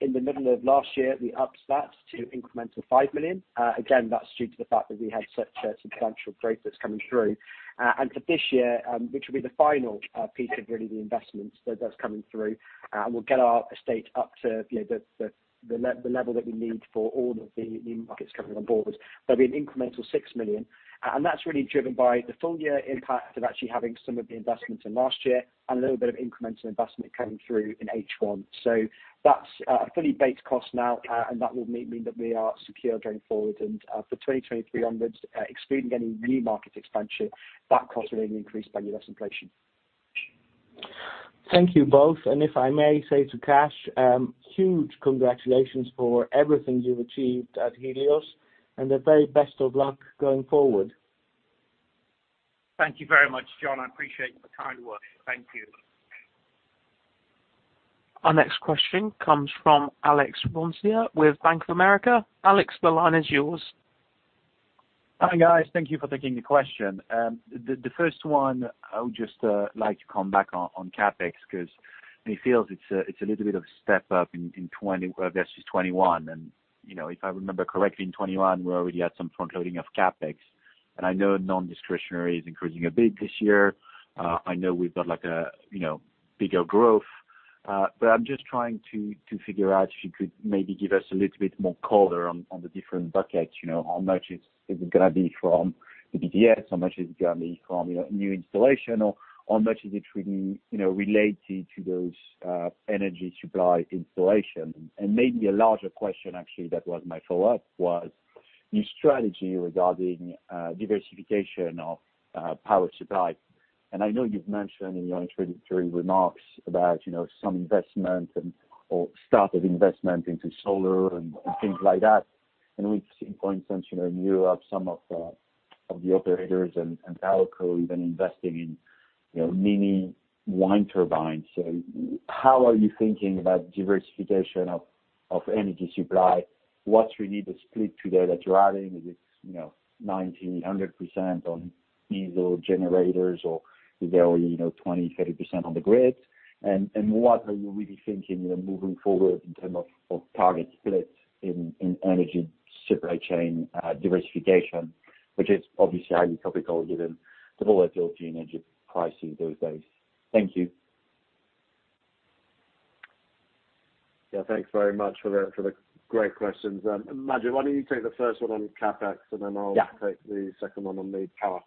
In the middle of last year, we upped that to incremental $5 million. Again, that's due to the fact that we had such a substantial growth that's coming through. For this year, which will be the final piece of really the investments that's coming through, we'll get our estate up to you know the level that we need for all of the new markets coming on board. There'll be an incremental $6 million, and that's really driven by the full year impact of actually having some of the investments in last year and a little bit of incremental investment coming through in H1. That's a fully baked cost now, and that will mean that we are secure going forward. For 2023 onwards, excluding any new market expansion, that cost will then increase by U.S. inflation. Thank you both. If I may say to Kash, huge congratulations for everything you've achieved at Helios and the very best of luck going forward. Thank you very much, John. I appreciate your kind words. Thank you. Our next question comes from Alex Rounce with Bank of America. Alex, the line is yours. Hi guys. Thank you for taking the question. The first one, I would just like to come back on CapEx because it feels like it's a little bit of a step up in 2022 versus 2021. You know, if I remember correctly, in 2021, we already had some front loading of CapEx. I know non-discretionary is increasing a bit this year. I know we've got like a you know bigger growth. But I'm just trying to figure out if you could maybe give us a little bit more color on the different buckets. You know, how much is it gonna be from the BTS? How much is it gonna be from you know new installation? Or how much is it really you know related to those energy supply installation? Maybe a larger question actually that was my follow-up was new strategy regarding diversification of power supply. I know you've mentioned in your introductory remarks about, you know, some investment and or start of investment into solar and things like that. We've seen, for instance, you know, in Europe, some of the operators and telco even investing in, you know, mini wind turbines. How are you thinking about diversification of energy supply? What's really the split today that you're adding? Is it, you know, 90%-100% on diesel generators or is there any, you know, 20%-30% on the grid? What are you really thinking, you know, moving forward in terms of target split in energy supply chain diversification, which is obviously highly topical given the volatility in energy pricing these days. Thank you. Yeah, thanks very much for the great questions. Manjit, why don't you take the first one on CapEx, and then I'll- Yeah. Take the second one on the power.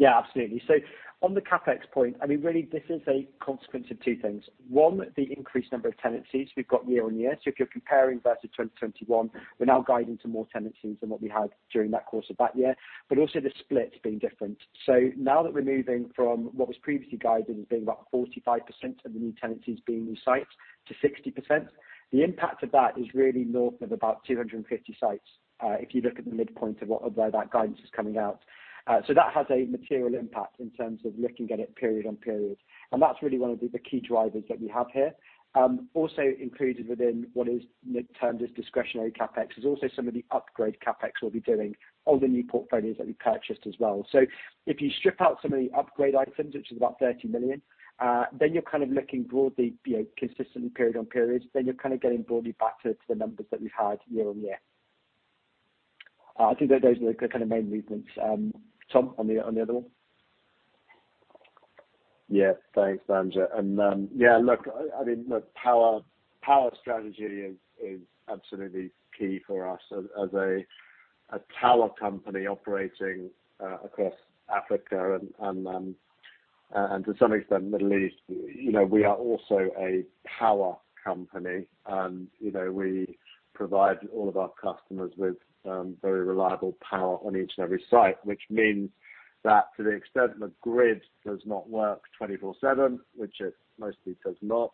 Yeah, absolutely. On the CapEx point, I mean, really this is a consequence of two things. One, the increased number of tenancies we've got year on year. If you're comparing versus 2021, we're now guiding to more tenancies than what we had during that course of that year. Also the split's been different. Now that we're moving from what was previously guided as being about 45% of the new tenancies being new sites to 60%, the impact of that is really north of about 250 sites, if you look at the midpoint of where that guidance is coming out. That has a material impact in terms of looking at it period on period. That's really one of the key drivers that we have here. Also included within what is termed as discretionary CapEx is also some of the upgrade CapEx we'll be doing on the new portfolios that we purchased as well. If you strip out some of the upgrade items, which is about $30 million, then you're kind of looking broadly, you know, consistently period-on-period, then you're kind of getting broadly back to the numbers that we had year-on-year. I think that those are the kind of main reasons. Tom, on the other one. Yeah. Thanks, Manjit. Yeah, look, I mean, look, power strategy is absolutely key for us as a tower company operating across Africa and to some extent Middle East. You know, we are also a power company, and you know, we provide all of our customers with very reliable power on each and every site, which means that to the extent the grid does not work 24/7, which it mostly does not,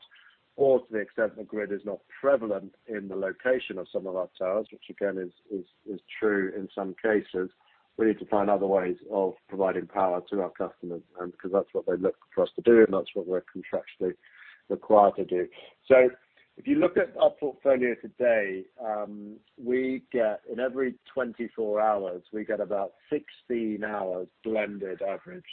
or to the extent the grid is not prevalent in the location of some of our towers, which again is true in some cases, we need to find other ways of providing power to our customers, because that's what they look for us to do, and that's what we're contractually required to do. If you look at our portfolio today, we get in every 24 hours about 16 hours blended average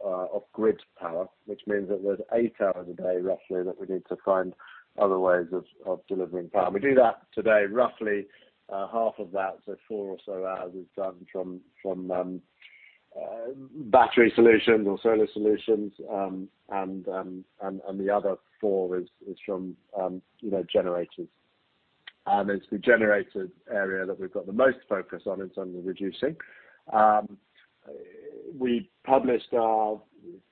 of grid power, which means that there's eight hours a day roughly that we need to find other ways of delivering power. We do that today roughly half of that, so four or so hours is done from battery solutions or solar solutions, and the other four is from you know generators. It's the generator area that we've got the most focus on in terms of reducing. We published our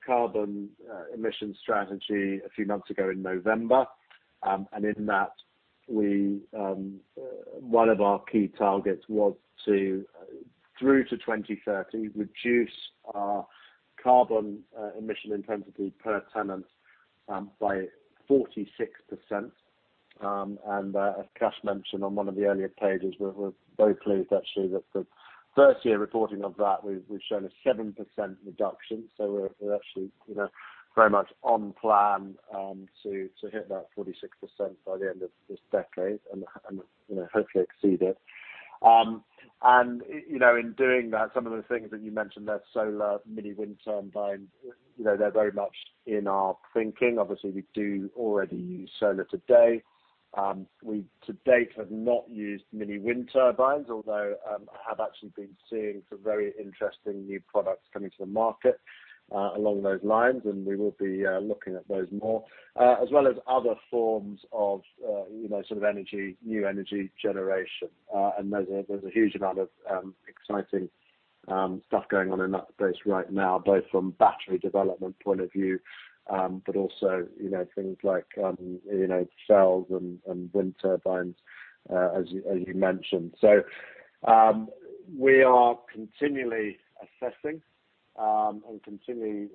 carbon emission strategy a few months ago in November. In that, one of our key targets was to through to 2030 reduce our carbon emission intensity per tenant by 46%. As Cash mentioned on one of the earlier pages, we're very pleased actually that the first year reporting of that, we've shown a 7% reduction. We're actually, you know, very much on plan to hit that 46% by the end of this decade and, you know, hopefully exceed it. In doing that, some of the things that you mentioned there, solar, mini wind turbines, you know, they're very much in our thinking. Obviously, we do already use solar today. We to date have not used mini wind turbines, although we have actually been seeing some very interesting new products coming to the market along those lines, and we will be looking at those more as well as other forms of, you know, sort of energy, new energy generation. There's a huge amount of exciting stuff going on in that space right now, both from battery development point of view, but also, you know, things like, you know, cells and wind turbines, as you mentioned. We are continually assessing and continually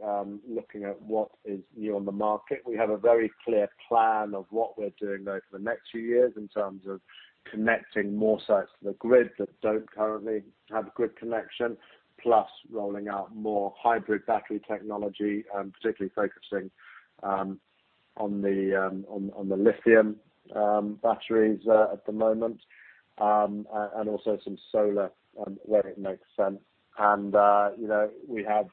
looking at what is new on the market. We have a very clear plan of what we're doing though for the next few years in terms of connecting more sites to the grid that don't currently have grid connection, plus rolling out more hybrid battery technology, particularly focusing on the lithium batteries at the moment, and also some solar where it makes sense. you know, we have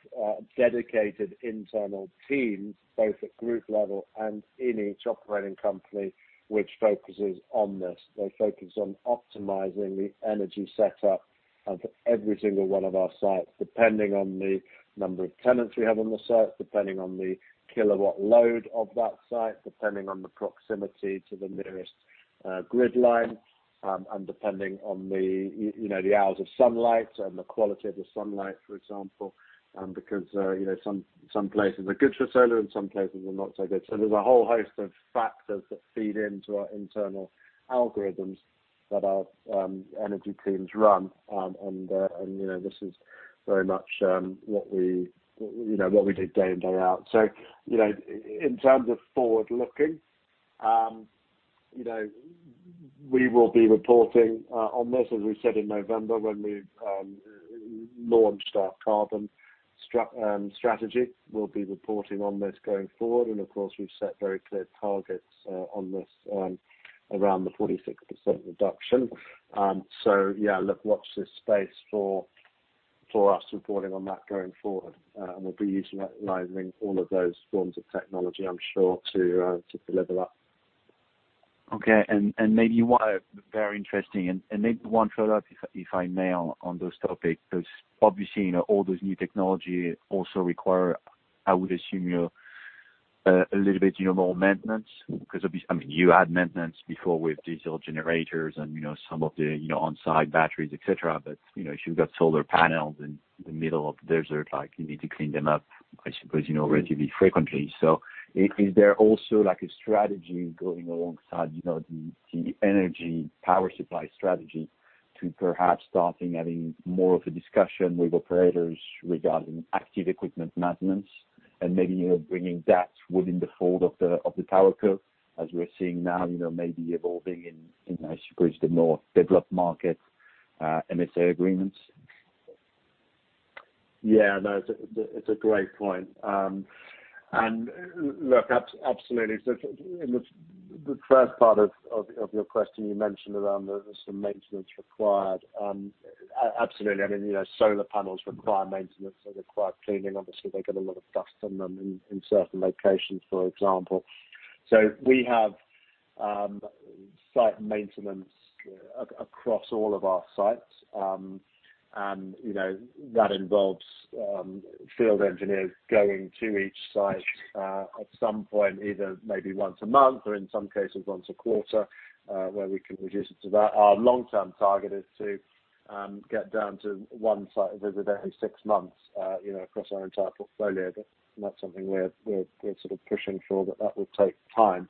dedicated internal teams, both at group level and in each operating company, which focuses on this. They focus on optimizing the energy setup of every single one of our sites, depending on the number of tenants we have on the site, depending on the kilowatt load of that site, depending on the proximity to the nearest grid line, and depending on the you know, the hours of sunlight and the quality of the sunlight, for example, because you know, some places are good for solar and some places are not so good. There's a whole host of factors that feed into our internal algorithms that our energy teams run. you know, this is very much what we you know what we do day in, day out. In terms of forward looking, you know, we will be reporting on this, as we said in November when we launched our carbon strategy. We'll be reporting on this going forward. Of course, we've set very clear targets on this around the 46% reduction. Yeah, look, watch this space for us reporting on that going forward. We'll be utilizing all of those forms of technology, I'm sure, to deliver that. Okay. Maybe one- Yeah. Very interesting. Maybe one follow-up, if I may, on this topic. Because obviously, you know, all those new technology also require, I would assume, you know, a little bit, you know, more maintenance. Because I mean, you had maintenance before with diesel generators and, you know, some of the, you know, on-site batteries, et cetera. You know, if you've got solar panels in the middle of the desert, like, you need to clean them up, I suppose, you know, relatively frequently. Is there also, like, a strategy going alongside, you know, the energy power supply strategy to perhaps starting having more of a discussion with operators regarding active equipment maintenance and maybe, you know, bringing that within the fold of the tower co, as we're seeing now, you know, maybe evolving in, I suppose, the more developed market, MSA agreements? Yeah, no, it's a great point. Look, absolutely. In the first part of your question, you mentioned around the some maintenance required. Absolutely. I mean, you know, solar panels require maintenance, they require cleaning. Obviously, they get a lot of dust on them in certain locations, for example. We have site maintenance across all of our sites. You know, that involves field engineers going to each site at some point, either maybe once a month or in some cases once a quarter, where we can reduce it to that. Our long-term target is to get down to one site visit every six months, you know, across our entire portfolio. That's something we're sort of pushing for, but that will take time.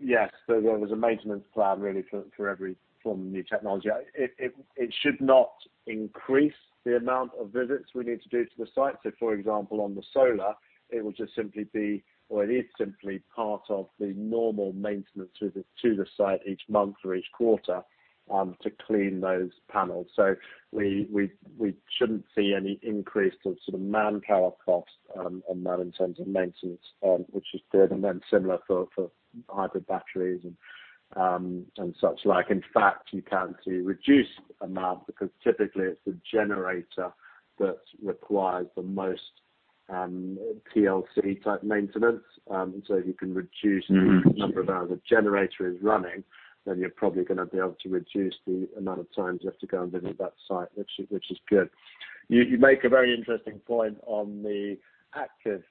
Yes, there is a maintenance plan really for every form of new technology. It should not increase the amount of visits we need to do to the site. For example, on the solar, it is simply part of the normal maintenance visit to the site each month or each quarter to clean those panels. We shouldn't see any increase to the sort of manpower cost on that in terms of maintenance, which is good. Similar for hybrid batteries and such like. In fact, you can see reduced amount because typically it's the generator that requires the most PMC-type maintenance. If you can reduce- Mm-hmm. The number of hours a generator is running, then you're probably gonna be able to reduce the amount of times you have to go and visit that site, which is good. You make a very interesting point on the active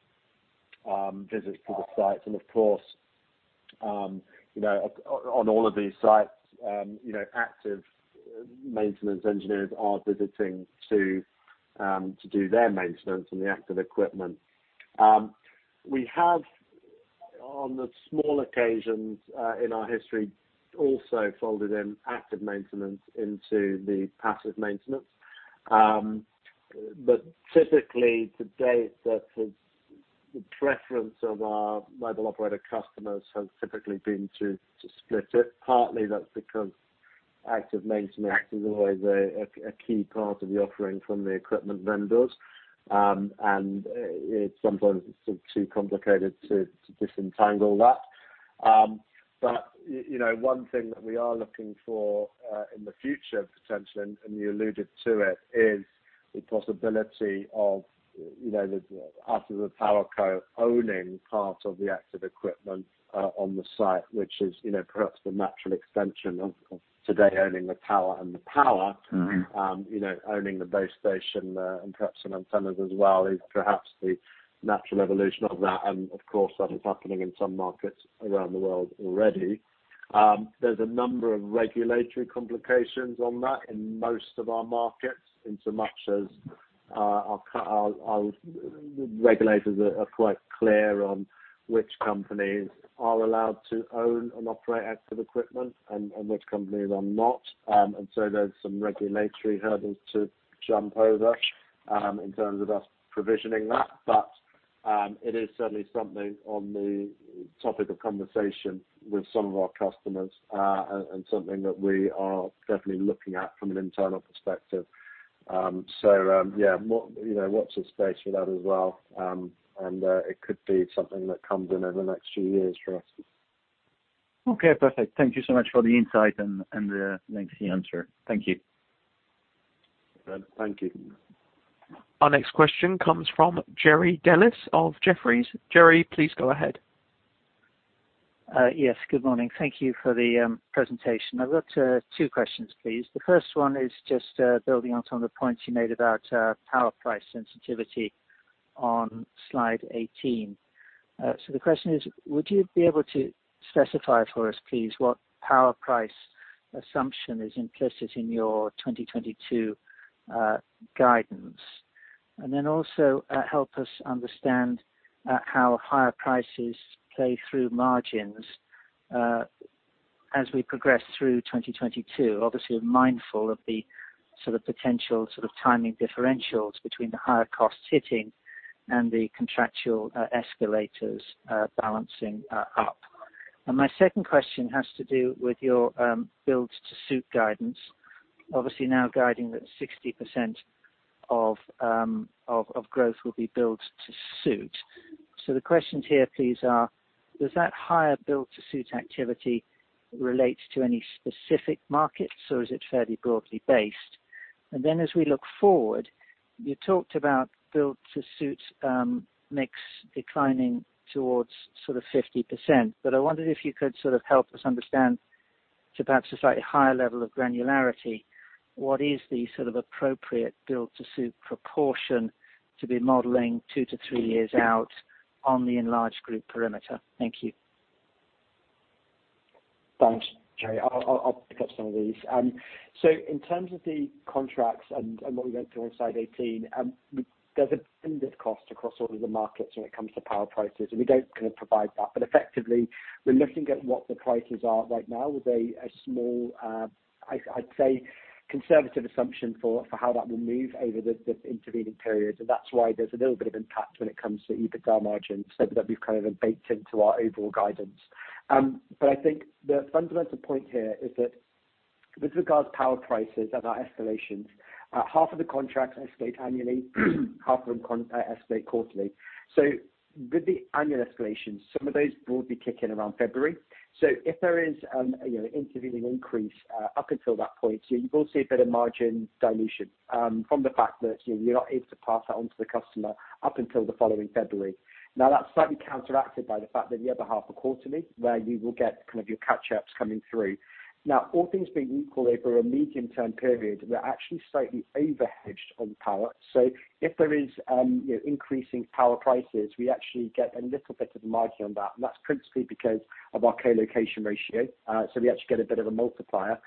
visits to the sites. Of course, you know, on all of these sites, you know, active maintenance engineers are visiting to do their maintenance on the active equipment. We have on the small occasions in our history also folded in active maintenance into the passive maintenance. But typically to date, the preference of our mobile operator customers has typically been to split it. Partly that's because active maintenance is always a key part of the offering from the equipment vendors. It's sometimes sort of too complicated to disentangle that. You know, one thing that we are looking for in the future potentially, and you alluded to it, is the possibility of, you know, after the tower co owning part of the active equipment on the site, which is, you know, perhaps the natural extension of today owning the tower and the power. Mm-hmm. You know, owning the base station and perhaps some antennas as well is perhaps the natural evolution of that. Of course, that is happening in some markets around the world already. There's a number of regulatory complications on that in most of our markets, insomuch as our regulators are quite clear on which companies are allowed to own and operate active equipment and which companies are not. There's some regulatory hurdles to jump over in terms of us provisioning that. But It is certainly something on the topic of conversation with some of our customers, and something that we are definitely looking at from an internal perspective. Yeah, you know, watch this space for that as well. It could be something that comes in over the next few years for us. Okay, perfect. Thank you so much for the insight and the lengthy answer. Thank you. Good. Thank you. Our next question comes from Jerry Dellis of Jefferies. Jerry, please go ahead. Yes, good morning. Thank you for the presentation. I've got two questions, please. The first one is just building on some of the points you made about power price sensitivity on slide 18. So the question is, would you be able to specify for us, please, what power price assumption is implicit in your 2022 guidance? Then also help us understand how higher prices play through margins as we progress through 2022. Obviously, we're mindful of the sort of potential sort of timing differentials between the higher costs hitting and the contractual escalators balancing up. My second question has to do with your Build-to-Suit guidance. Obviously, now guiding that 60% of growth will be Build-to-Suit. The questions here, please, are does that higher Build-to-Suit activity relate to any specific markets, or is it fairly broadly based? As we look forward, you talked about Build-to-Suit mix declining towards sort of 50%. I wondered if you could sort of help us understand to perhaps a slightly higher level of granularity, what is the sort of appropriate Build-to-Suit proportion to be modeling 2-3 years out on the enlarged group perimeter? Thank you. Thanks, Jerry. I'll pick up some of these. In terms of the contracts and what we went through on slide 18, there's a cost across all of the markets when it comes to power prices, and we don't kind of provide that. Effectively, we're looking at what the prices are right now with a small, I'd say conservative assumption for how that will move over the intervening period. That's why there's a little bit of impact when it comes to EBITDA margins. That we've kind of baked into our overall guidance. I think the fundamental point here is that with regards to power prices and our escalations, half of the contracts escalate annually, half of them escalate quarterly. With the annual escalations, some of those will be kicking around February. If there is, you know, intervening increase up until that point, you will see a bit of margin dilution from the fact that, you know, you're not able to pass that on to the customer up until the following February. That's slightly counteracted by the fact that the other half are quarterly, where you will get kind of your catch-ups coming through. All things being equal over a medium-term period, we're actually slightly overhedged on power. If there is, you know, increasing power prices, we actually get a little bit of margin on that, and that's principally because of our co-location ratio. We actually get a bit of a multiplier.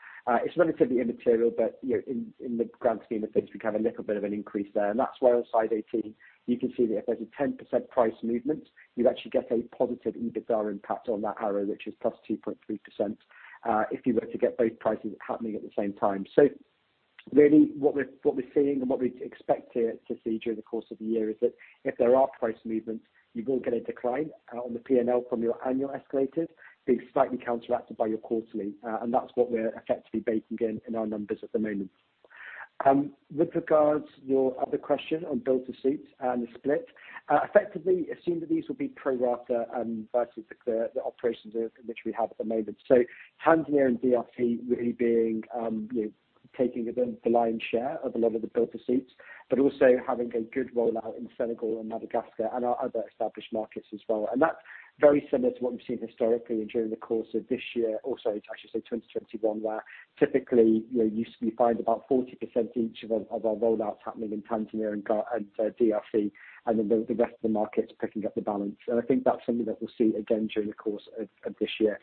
It's relatively immaterial, but you know, in the grand scheme of things, we have a little bit of an increase there. That's why on slide 18, you can see that if there's a 10% price movement, you actually get a positive EBITDA impact on that arrow, which is +2.3%, if you were to get both prices happening at the same time. Really what we're seeing and what we'd expect to see during the course of the year is that if there are price movements, you will get a decline on the P&L from your annual escalators being slightly counteracted by your quarterly. That's what we're effectively baking in our numbers at the moment. With regards to your other question on Build-to-Suit and the split, effectively assume that these will be pro rata versus the operations of which we have at the moment. Tanzania and DRC really being, you know, taking the lion's share of a lot of the Build-to-Suits, but also having a good rollout in Senegal and Madagascar and our other established markets as well. That's very similar to what we've seen historically and during the course of this year. Also, I should say 2021, where typically, you know, you find about 40% each of our rollouts happening in Tanzania and DRC, and then the rest of the markets picking up the balance. I think that's something that we'll see again during the course of this year.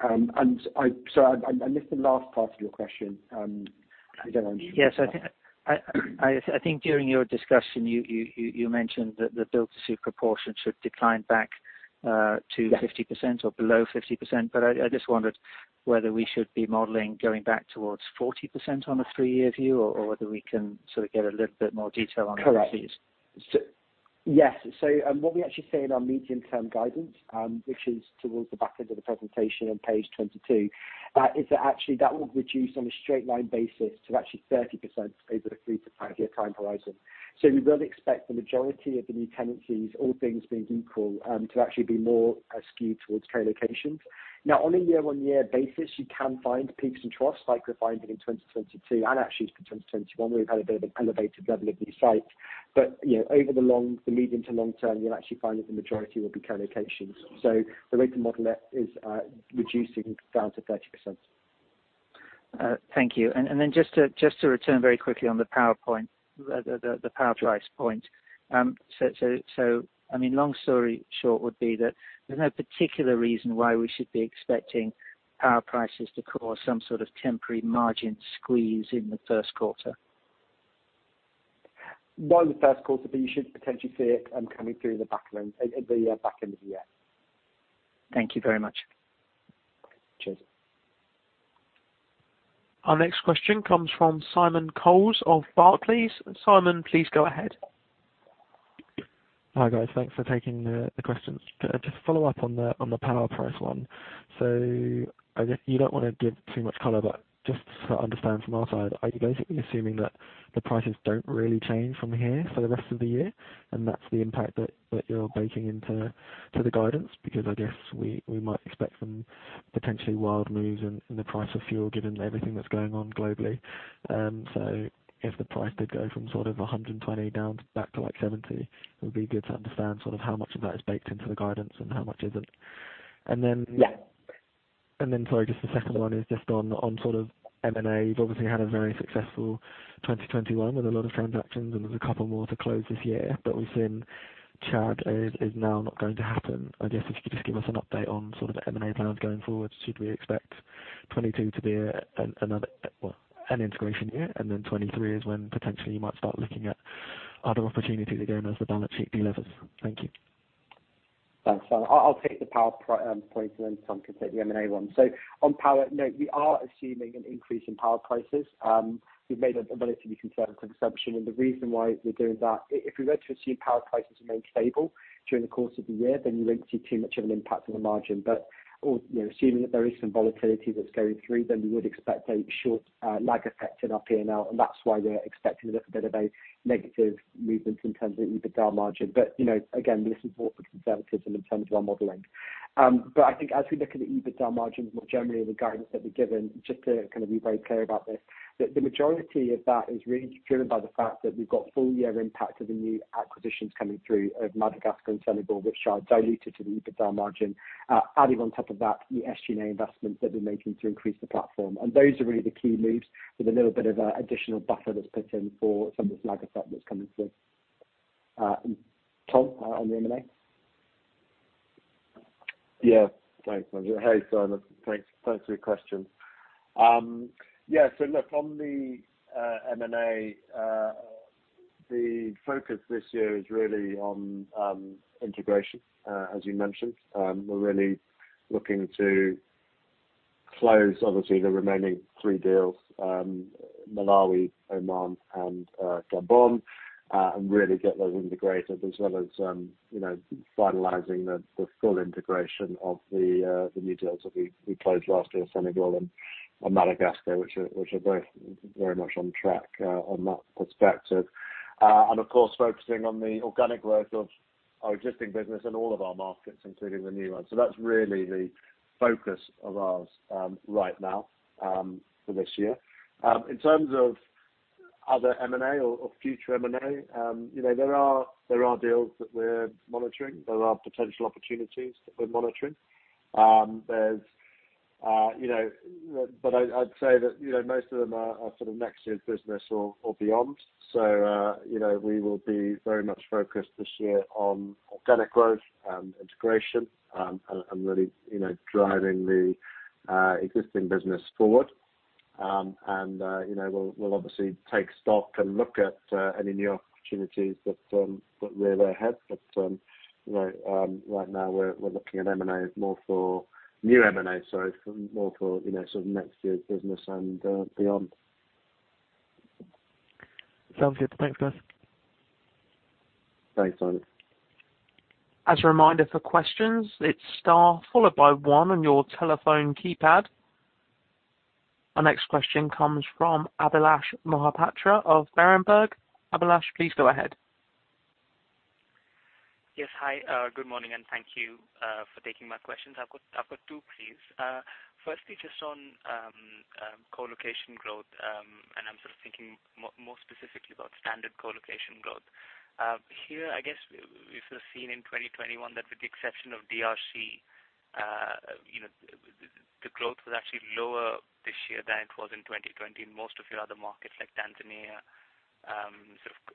I missed the last part of your question. I don't know if you- Yes, I think during your discussion, you mentioned that the Build-to-Suit proportion should decline back to 50% or below 50%. I just wondered whether we should be modeling going back towards 40% on a three-year view, or whether we can sort of get a little bit more detail on that, please. Correct. Yes. What we actually say in our medium-term guidance, which is towards the back end of the presentation on page 22, is that actually that would reduce on a straight line basis to actually 30% over a 3-5-year time horizon. We would expect the majority of the new tenancies, all things being equal, to actually be more skewed towards co-locations. Now, on a year-on-year basis, you can find peaks and troughs like we're finding in 2022 and actually into 2021, where we've had a bit of an elevated level of new sites. You know, over the medium to long term, you'll actually find that the majority will be co-locations. The way to model it is reducing down to 30%. Thank you. Just to return very quickly on the power price point. I mean, long story short would be that there's no particular reason why we should be expecting power prices to cause some sort of temporary margin squeeze in the first quarter. Not in the first quarter, but you should potentially see it coming through the back end at the back end of the year. Thank you very much. Cheers. Our next question comes from Simon Coles of Barclays. Simon, please go ahead. Hi, guys. Thanks for taking the questions. To just follow up on the power price one. I guess you don't wanna give too much color, but just to understand from our side, are you basically assuming that the prices don't really change from here for the rest of the year, and that's the impact that you're baking into the guidance? Because I guess we might expect some potentially wild moves in the price of fuel given everything that's going on globally. If the price did go from sort of $120 down back to, like, $70, it would be good to understand sort of how much of that is baked into the guidance and how much isn't. Then- Yeah. Sorry, just the second one is just on sort of M&A. You've obviously had a very successful 2021 with a lot of transactions, and there's a couple more to close this year. We've seen Chad is now not going to happen. I guess if you could just give us an update on sort of the M&A plans going forward. Should we expect 2022 to be another, well, an integration year, and then 2023 is when potentially you might start looking at other opportunities again as the balance sheet delevers. Thank you. Thanks, Simon. I'll take the power point, and then Tom can take the M&A one. On power, no, we are assuming an increase in power prices. We've made a fairly conservative assumption. The reason why we're doing that, if we were to assume power prices remain stable during the course of the year, then you won't see too much of an impact on the margin. You know, assuming that there is some volatility that's going through, then we would expect a short lag effect in our P&L, and that's why we're expecting a little bit of a negative movement in terms of EBITDA margin. You know, again, this is more for conservatism in terms of our modeling. I think as we look at the EBITDA margins, more generally the guidance that we've given, just to kind of be very clear about this, the majority of that is really driven by the fact that we've got full year impact of the new acquisitions coming through of Madagascar and Senegal, which are diluted to the EBITDA margin. Adding on top of that, the SG&A investments that we're making to increase the platform. Those are really the key moves with a little bit of additional buffer that's put in for some of this lag effect that's coming through. Tom, on the M&A. Yeah. Thanks, Andrew. Hey, Simon. Thanks for your question. Yeah, look, on the M&A, the focus this year is really on integration, as you mentioned. We're really looking to close obviously the remaining three deals, Malawi, Oman and Gabon, and really get those integrated as well as you know, finalizing the full integration of the new deals that we closed last year, Senegal and Madagascar, which are both very much on track, on that perspective. Of course, focusing on the organic growth of our existing business in all of our markets, including the new ones. That's really the focus of ours, right now, for this year. In terms of other M&A or future M&A, you know, there are deals that we're monitoring. There are potential opportunities that we're monitoring. I'd say that, you know, most of them are sort of next year's business or beyond. You know, we will be very much focused this year on organic growth and integration and really, you know, driving the existing business forward. You know, we'll obviously take stock and look at any new opportunities that rear their head. You know, right now we're looking at new M&A more for next year's business and beyond. Sounds good. Thanks, guys. Thanks, Simon. As a reminder for questions, it's star followed by one on your telephone keypad. Our next question comes from Abhilash Mohapatra of Berenberg. Abhilash, please go ahead. Yes. Hi, good morning, and thank you for taking my questions. I've got two, please. Firstly, just on colocation growth, and I'm sort of thinking more specifically about standard colocation growth. Here, I guess we've sort of seen in 2021 that with the exception of DRC, you know, the growth was actually lower this year than it was in 2020 in most of your other markets like Tanzania,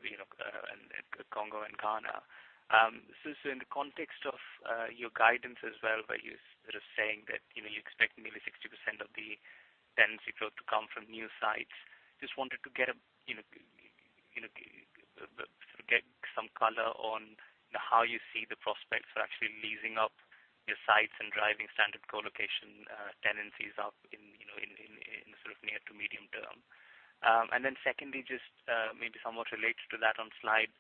you know, and Congo and Ghana. In the context of your guidance as well, where you're sort of saying that, you know, you expect nearly 60% of the tenancy growth to come from new sites, just wanted to get a, you know, get some color on how you see the prospects for actually leasing up your sites and driving standard colocation tenancies up in, you know, in sort of near to medium term. Then secondly, just maybe somewhat related to that on slide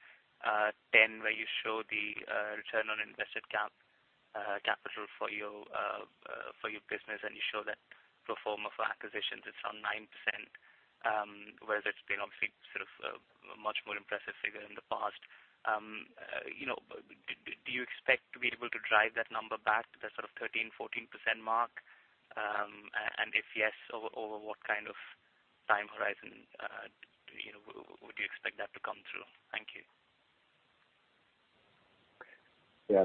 10, where you show the return on invested capital for your business, and you show that pro forma for acquisitions is on 9%, whereas it's been obviously sort of a much more impressive figure in the past. You know, do you expect to be able to drive that number back to the sort of 13%-14% mark? If yes, over what kind of time horizon, you know, would you expect that to come through? Thank you.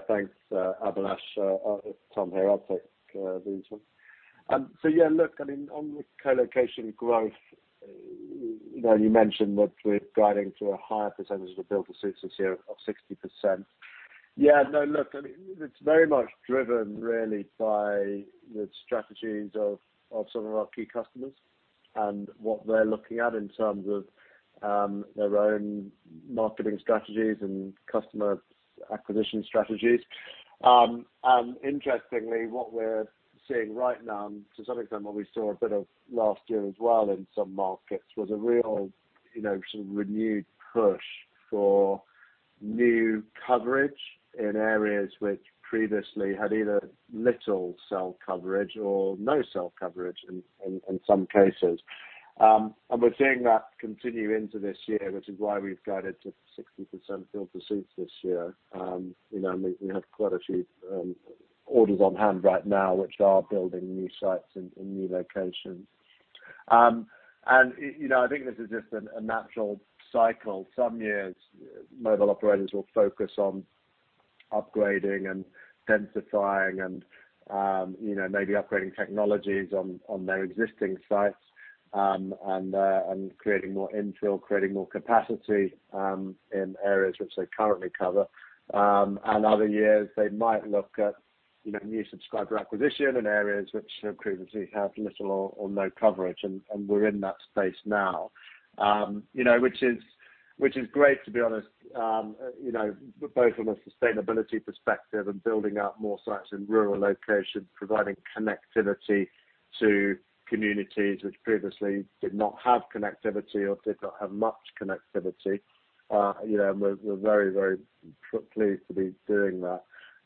Thanks, Abhilash. Tom here. I'll take these ones. So yeah, look, I mean, on the colocation growth, you know, you mentioned that we're guiding to a higher percentage of Build-to-Suit this year of 60%. Yeah, no, look, I mean, it's very much driven really by the strategies of some of our key customers and what they're looking at in terms of their own marketing strategies and customer acquisition strategies. And interestingly, what we're seeing right now, to some extent what we saw a bit of last year as well in some markets, was a real, you know, sort of renewed push for new coverage in areas which previously had either little cell coverage or no cell coverage in some cases. We're seeing that continue into this year, which is why we've guided to 60% Build-to-Suit this year. You know, we have quite a few orders on hand right now, which are building new sites in new locations. You know, I think this is just a natural cycle. Some years mobile operators will focus on upgrading and densifying and you know, maybe upgrading technologies on their existing sites and creating more infill, creating more capacity in areas which they currently cover. Other years they might look at you know, new subscriber acquisition in areas which previously have little or no coverage, and we're in that space now. You know, which is great to be honest, you know, both from a sustainability perspective and building out more sites in rural locations, providing connectivity to communities which previously did not have connectivity or did not have much connectivity. You know, we're very pleased to be doing that.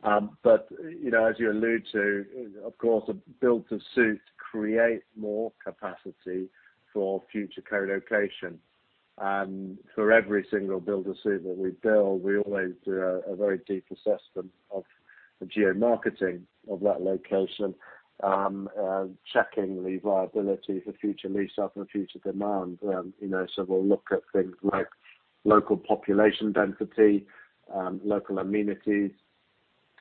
You know, as you allude to, of course, a Build-to-Suit creates more capacity for future co-location. For every single Build-to-Suit that we build, we always do a very deep assessment of the geo-marketing of that location, checking the viability for future lease up and future demand. You know, we'll look at things like local population density, local amenities,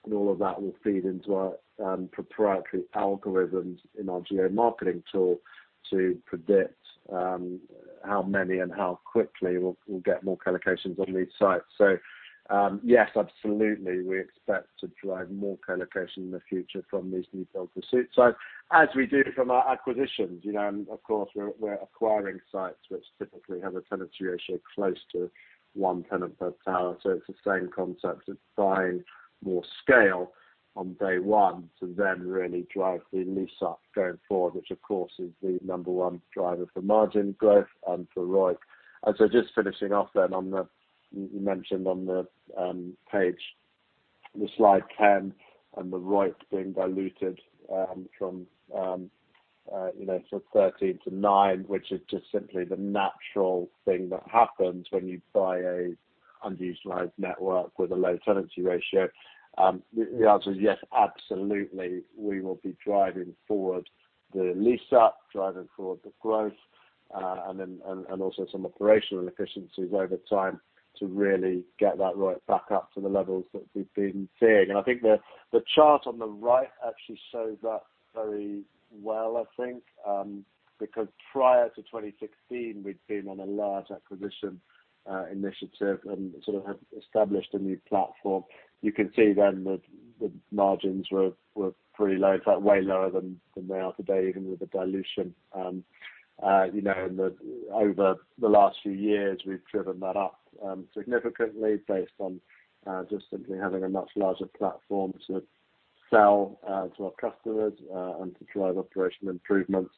and all of that will feed into our proprietary algorithms in our geo-marketing tool to predict how many and how quickly we'll get more co-locations on these sites. Yes, absolutely, we expect to drive more co-location in the future from these new Build-to-Suit. As we do from our acquisitions, you know, and of course, we're acquiring sites which typically have a tenancy ratio close to one tenant per tower. It's the same concept. It's buying more scale on day one to then really drive the lease up going forward, which of course is the number one driver for margin growth and for ROIC. Just finishing off then on the, you mentioned on the page, the slide 10 and the ROIC being diluted, you know, from 13 to 9, which is just simply the natural thing that happens when you buy a underutilized network with a low tenancy ratio. The answer is yes, absolutely. We will be driving forward the lease up, driving forward the growth, and also some operational efficiencies over time to really get that ROIC back up to the levels that we've been seeing. I think the chart on the right actually shows that very well, I think. Because prior to 2016, we'd been on a large acquisition initiative and sort of have established a new platform. You can see then the margins were pretty low. In fact way lower than they are today, even with the dilution. You know, over the last few years, we've driven that up significantly based on just simply having a much larger platform to sell to our customers and to drive operational improvements.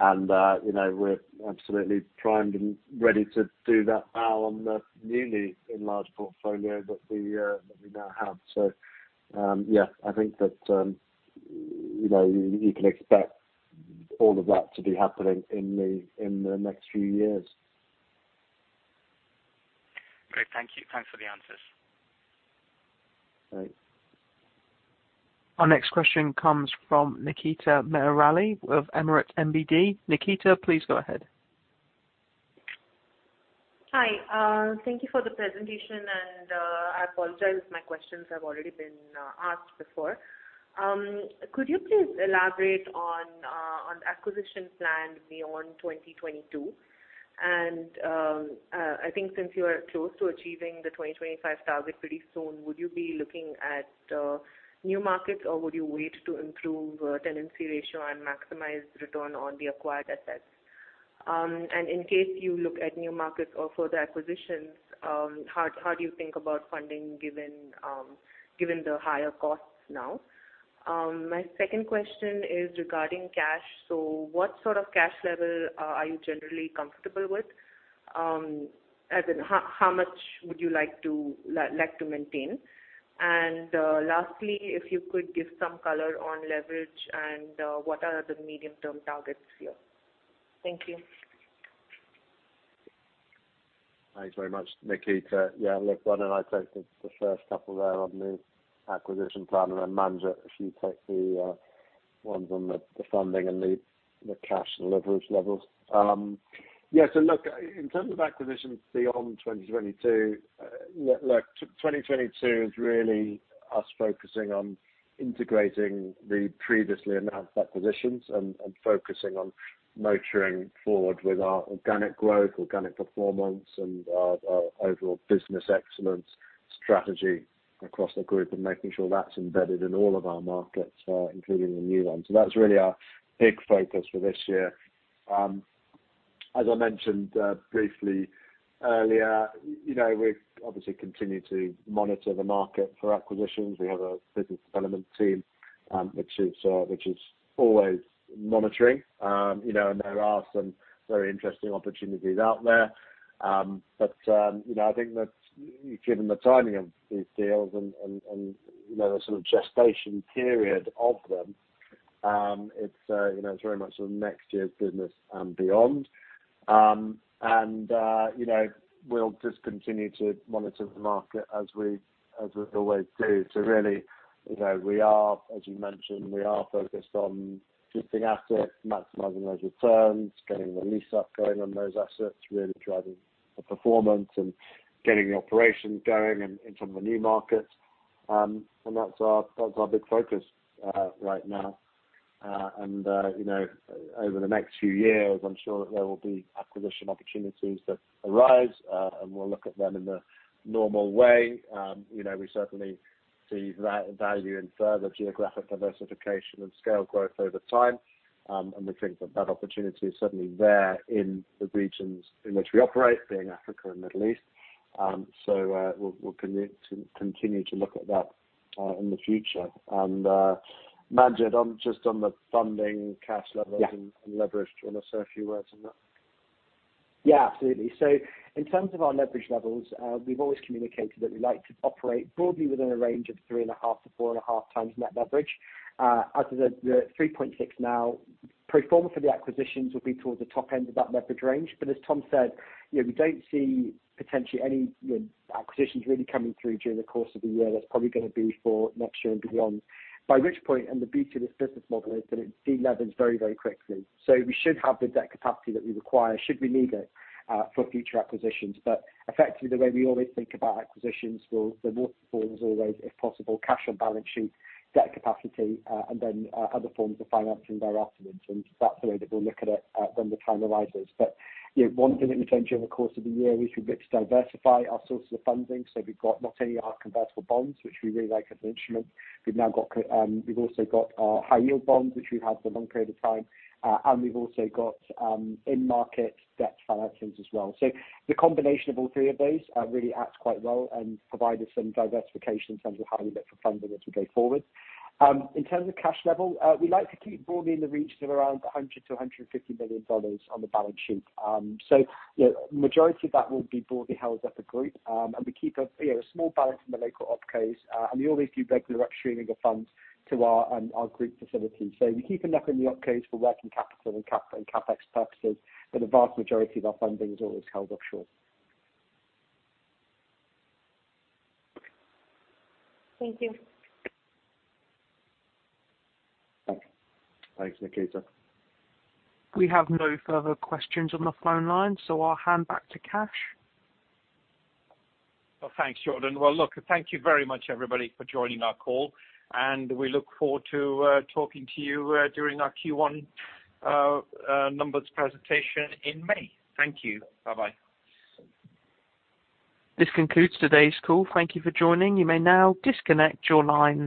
You know, we're absolutely primed and ready to do that now on the newly enlarged portfolio that we now have. Yeah, I think that you know, you can expect all of that to be happening in the next few years. Great. Thank you. Thanks for the answers. Thanks. Our next question comes from Nikita Meherally of Emirates NBD. Nikita, please go ahead. Hi. Thank you for the presentation, and I apologize if my questions have already been asked before. Could you please elaborate on acquisition plan beyond 2022? I think since you are close to achieving the 2025 target pretty soon, would you be looking at new markets, or would you wait to improve tenancy ratio and maximize return on the acquired assets? In case you look at new markets or further acquisitions, how do you think about funding given the higher costs now? My second question is regarding cash. What sort of cash level are you generally comfortable with? As in how much would you like to maintain? Lastly, if you could give some color on leverage and what are the medium-term targets here? Thank you. Thanks very much, Nikita. Yeah, look, why don't I take the first couple there on the acquisition plan, and then Manjit, if you take the ones on the funding and the cash and leverage levels. Yeah, look, in terms of acquisitions beyond 2022, look, 2022 is really us focusing on integrating the previously announced acquisitions and focusing on moving forward with our organic growth, organic performance, and our overall business excellence strategy across the group and making sure that's embedded in all of our markets, including the new ones. That's really our big focus for this year. As I mentioned briefly earlier, you know, we obviously continue to monitor the market for acquisitions. We have a business development team, which is always monitoring. You know, there are some very interesting opportunities out there. You know, I think that given the timing of these deals and, you know, the sort of gestation period of them, you know, it's very much sort of next year's business and beyond. You know, we'll just continue to monitor the market as we always do to really, you know, we are, as you mentioned, focused on lifting assets, maximizing those returns, getting the lease up, going on those assets, really driving the performance and getting the operation going in some of the new markets. That's our big focus right now. you know, over the next few years, I'm sure that there will be acquisition opportunities that arise, and we'll look at them in the normal way. you know, we certainly see value in further geographic diversification and scale growth over time. we think that that opportunity is certainly there in the regions in which we operate, being Africa and Middle East. we'll continue to look at that in the future. Manjit, on just the funding cash levels- Yeah. leverage. Do you wanna say a few words on that? Yeah, absolutely. In terms of our leverage levels, we've always communicated that we like to operate broadly within a range of 3.5-4.5x net leverage. As of the 3.6 now, pro forma for the acquisitions will be towards the top end of that leverage range. But as Tom said, you know, we don't see potentially any, you know, acquisitions really coming through during the course of the year. That's probably gonna be for next year and beyond. By which point, and the beauty of this business model is that it delevers very, very quickly. We should have the debt capacity that we require, should we need it, for future acquisitions. Effectively, the way we always think about acquisitions, well, the waterfall is always, if possible, cash and balance sheet, debt capacity, and then other forms of financing thereafter. That's the way that we'll look at it when the time arises. You know, one thing that we've done during the course of the year, we've been able to diversify our sources of funding. We've got not only our convertible bonds, which we really like as an instrument. We've now got, we've also got our high-yield bonds, which we've had for a long period of time. And we've also got in-market debt financings as well. The combination of all three of those really act quite well and provide us some diversification in terms of how we look for funding as we go forward. In terms of cash level, we like to keep broadly in the region of around $100 million-$150 million on the balance sheet. You know, majority of that will be broadly held at the group. We keep a, you know, a small balance in the local OpCos. We always do regular upstreaming of funds to our group facilities. We keep enough in the OpCos for working capital and CapEx purposes, but the vast majority of our funding is always held offshore. Thank you. Thanks, Nikita. We have no further questions on the phone line, so I'll hand back to Kash. Well, thanks, Jordan. Well, look, thank you very much everybody for joining our call, and we look forward to talking to you during our Q1 numbers presentation in May. Thank you. Bye-bye. This concludes today's call. Thank you for joining. You may now disconnect your lines.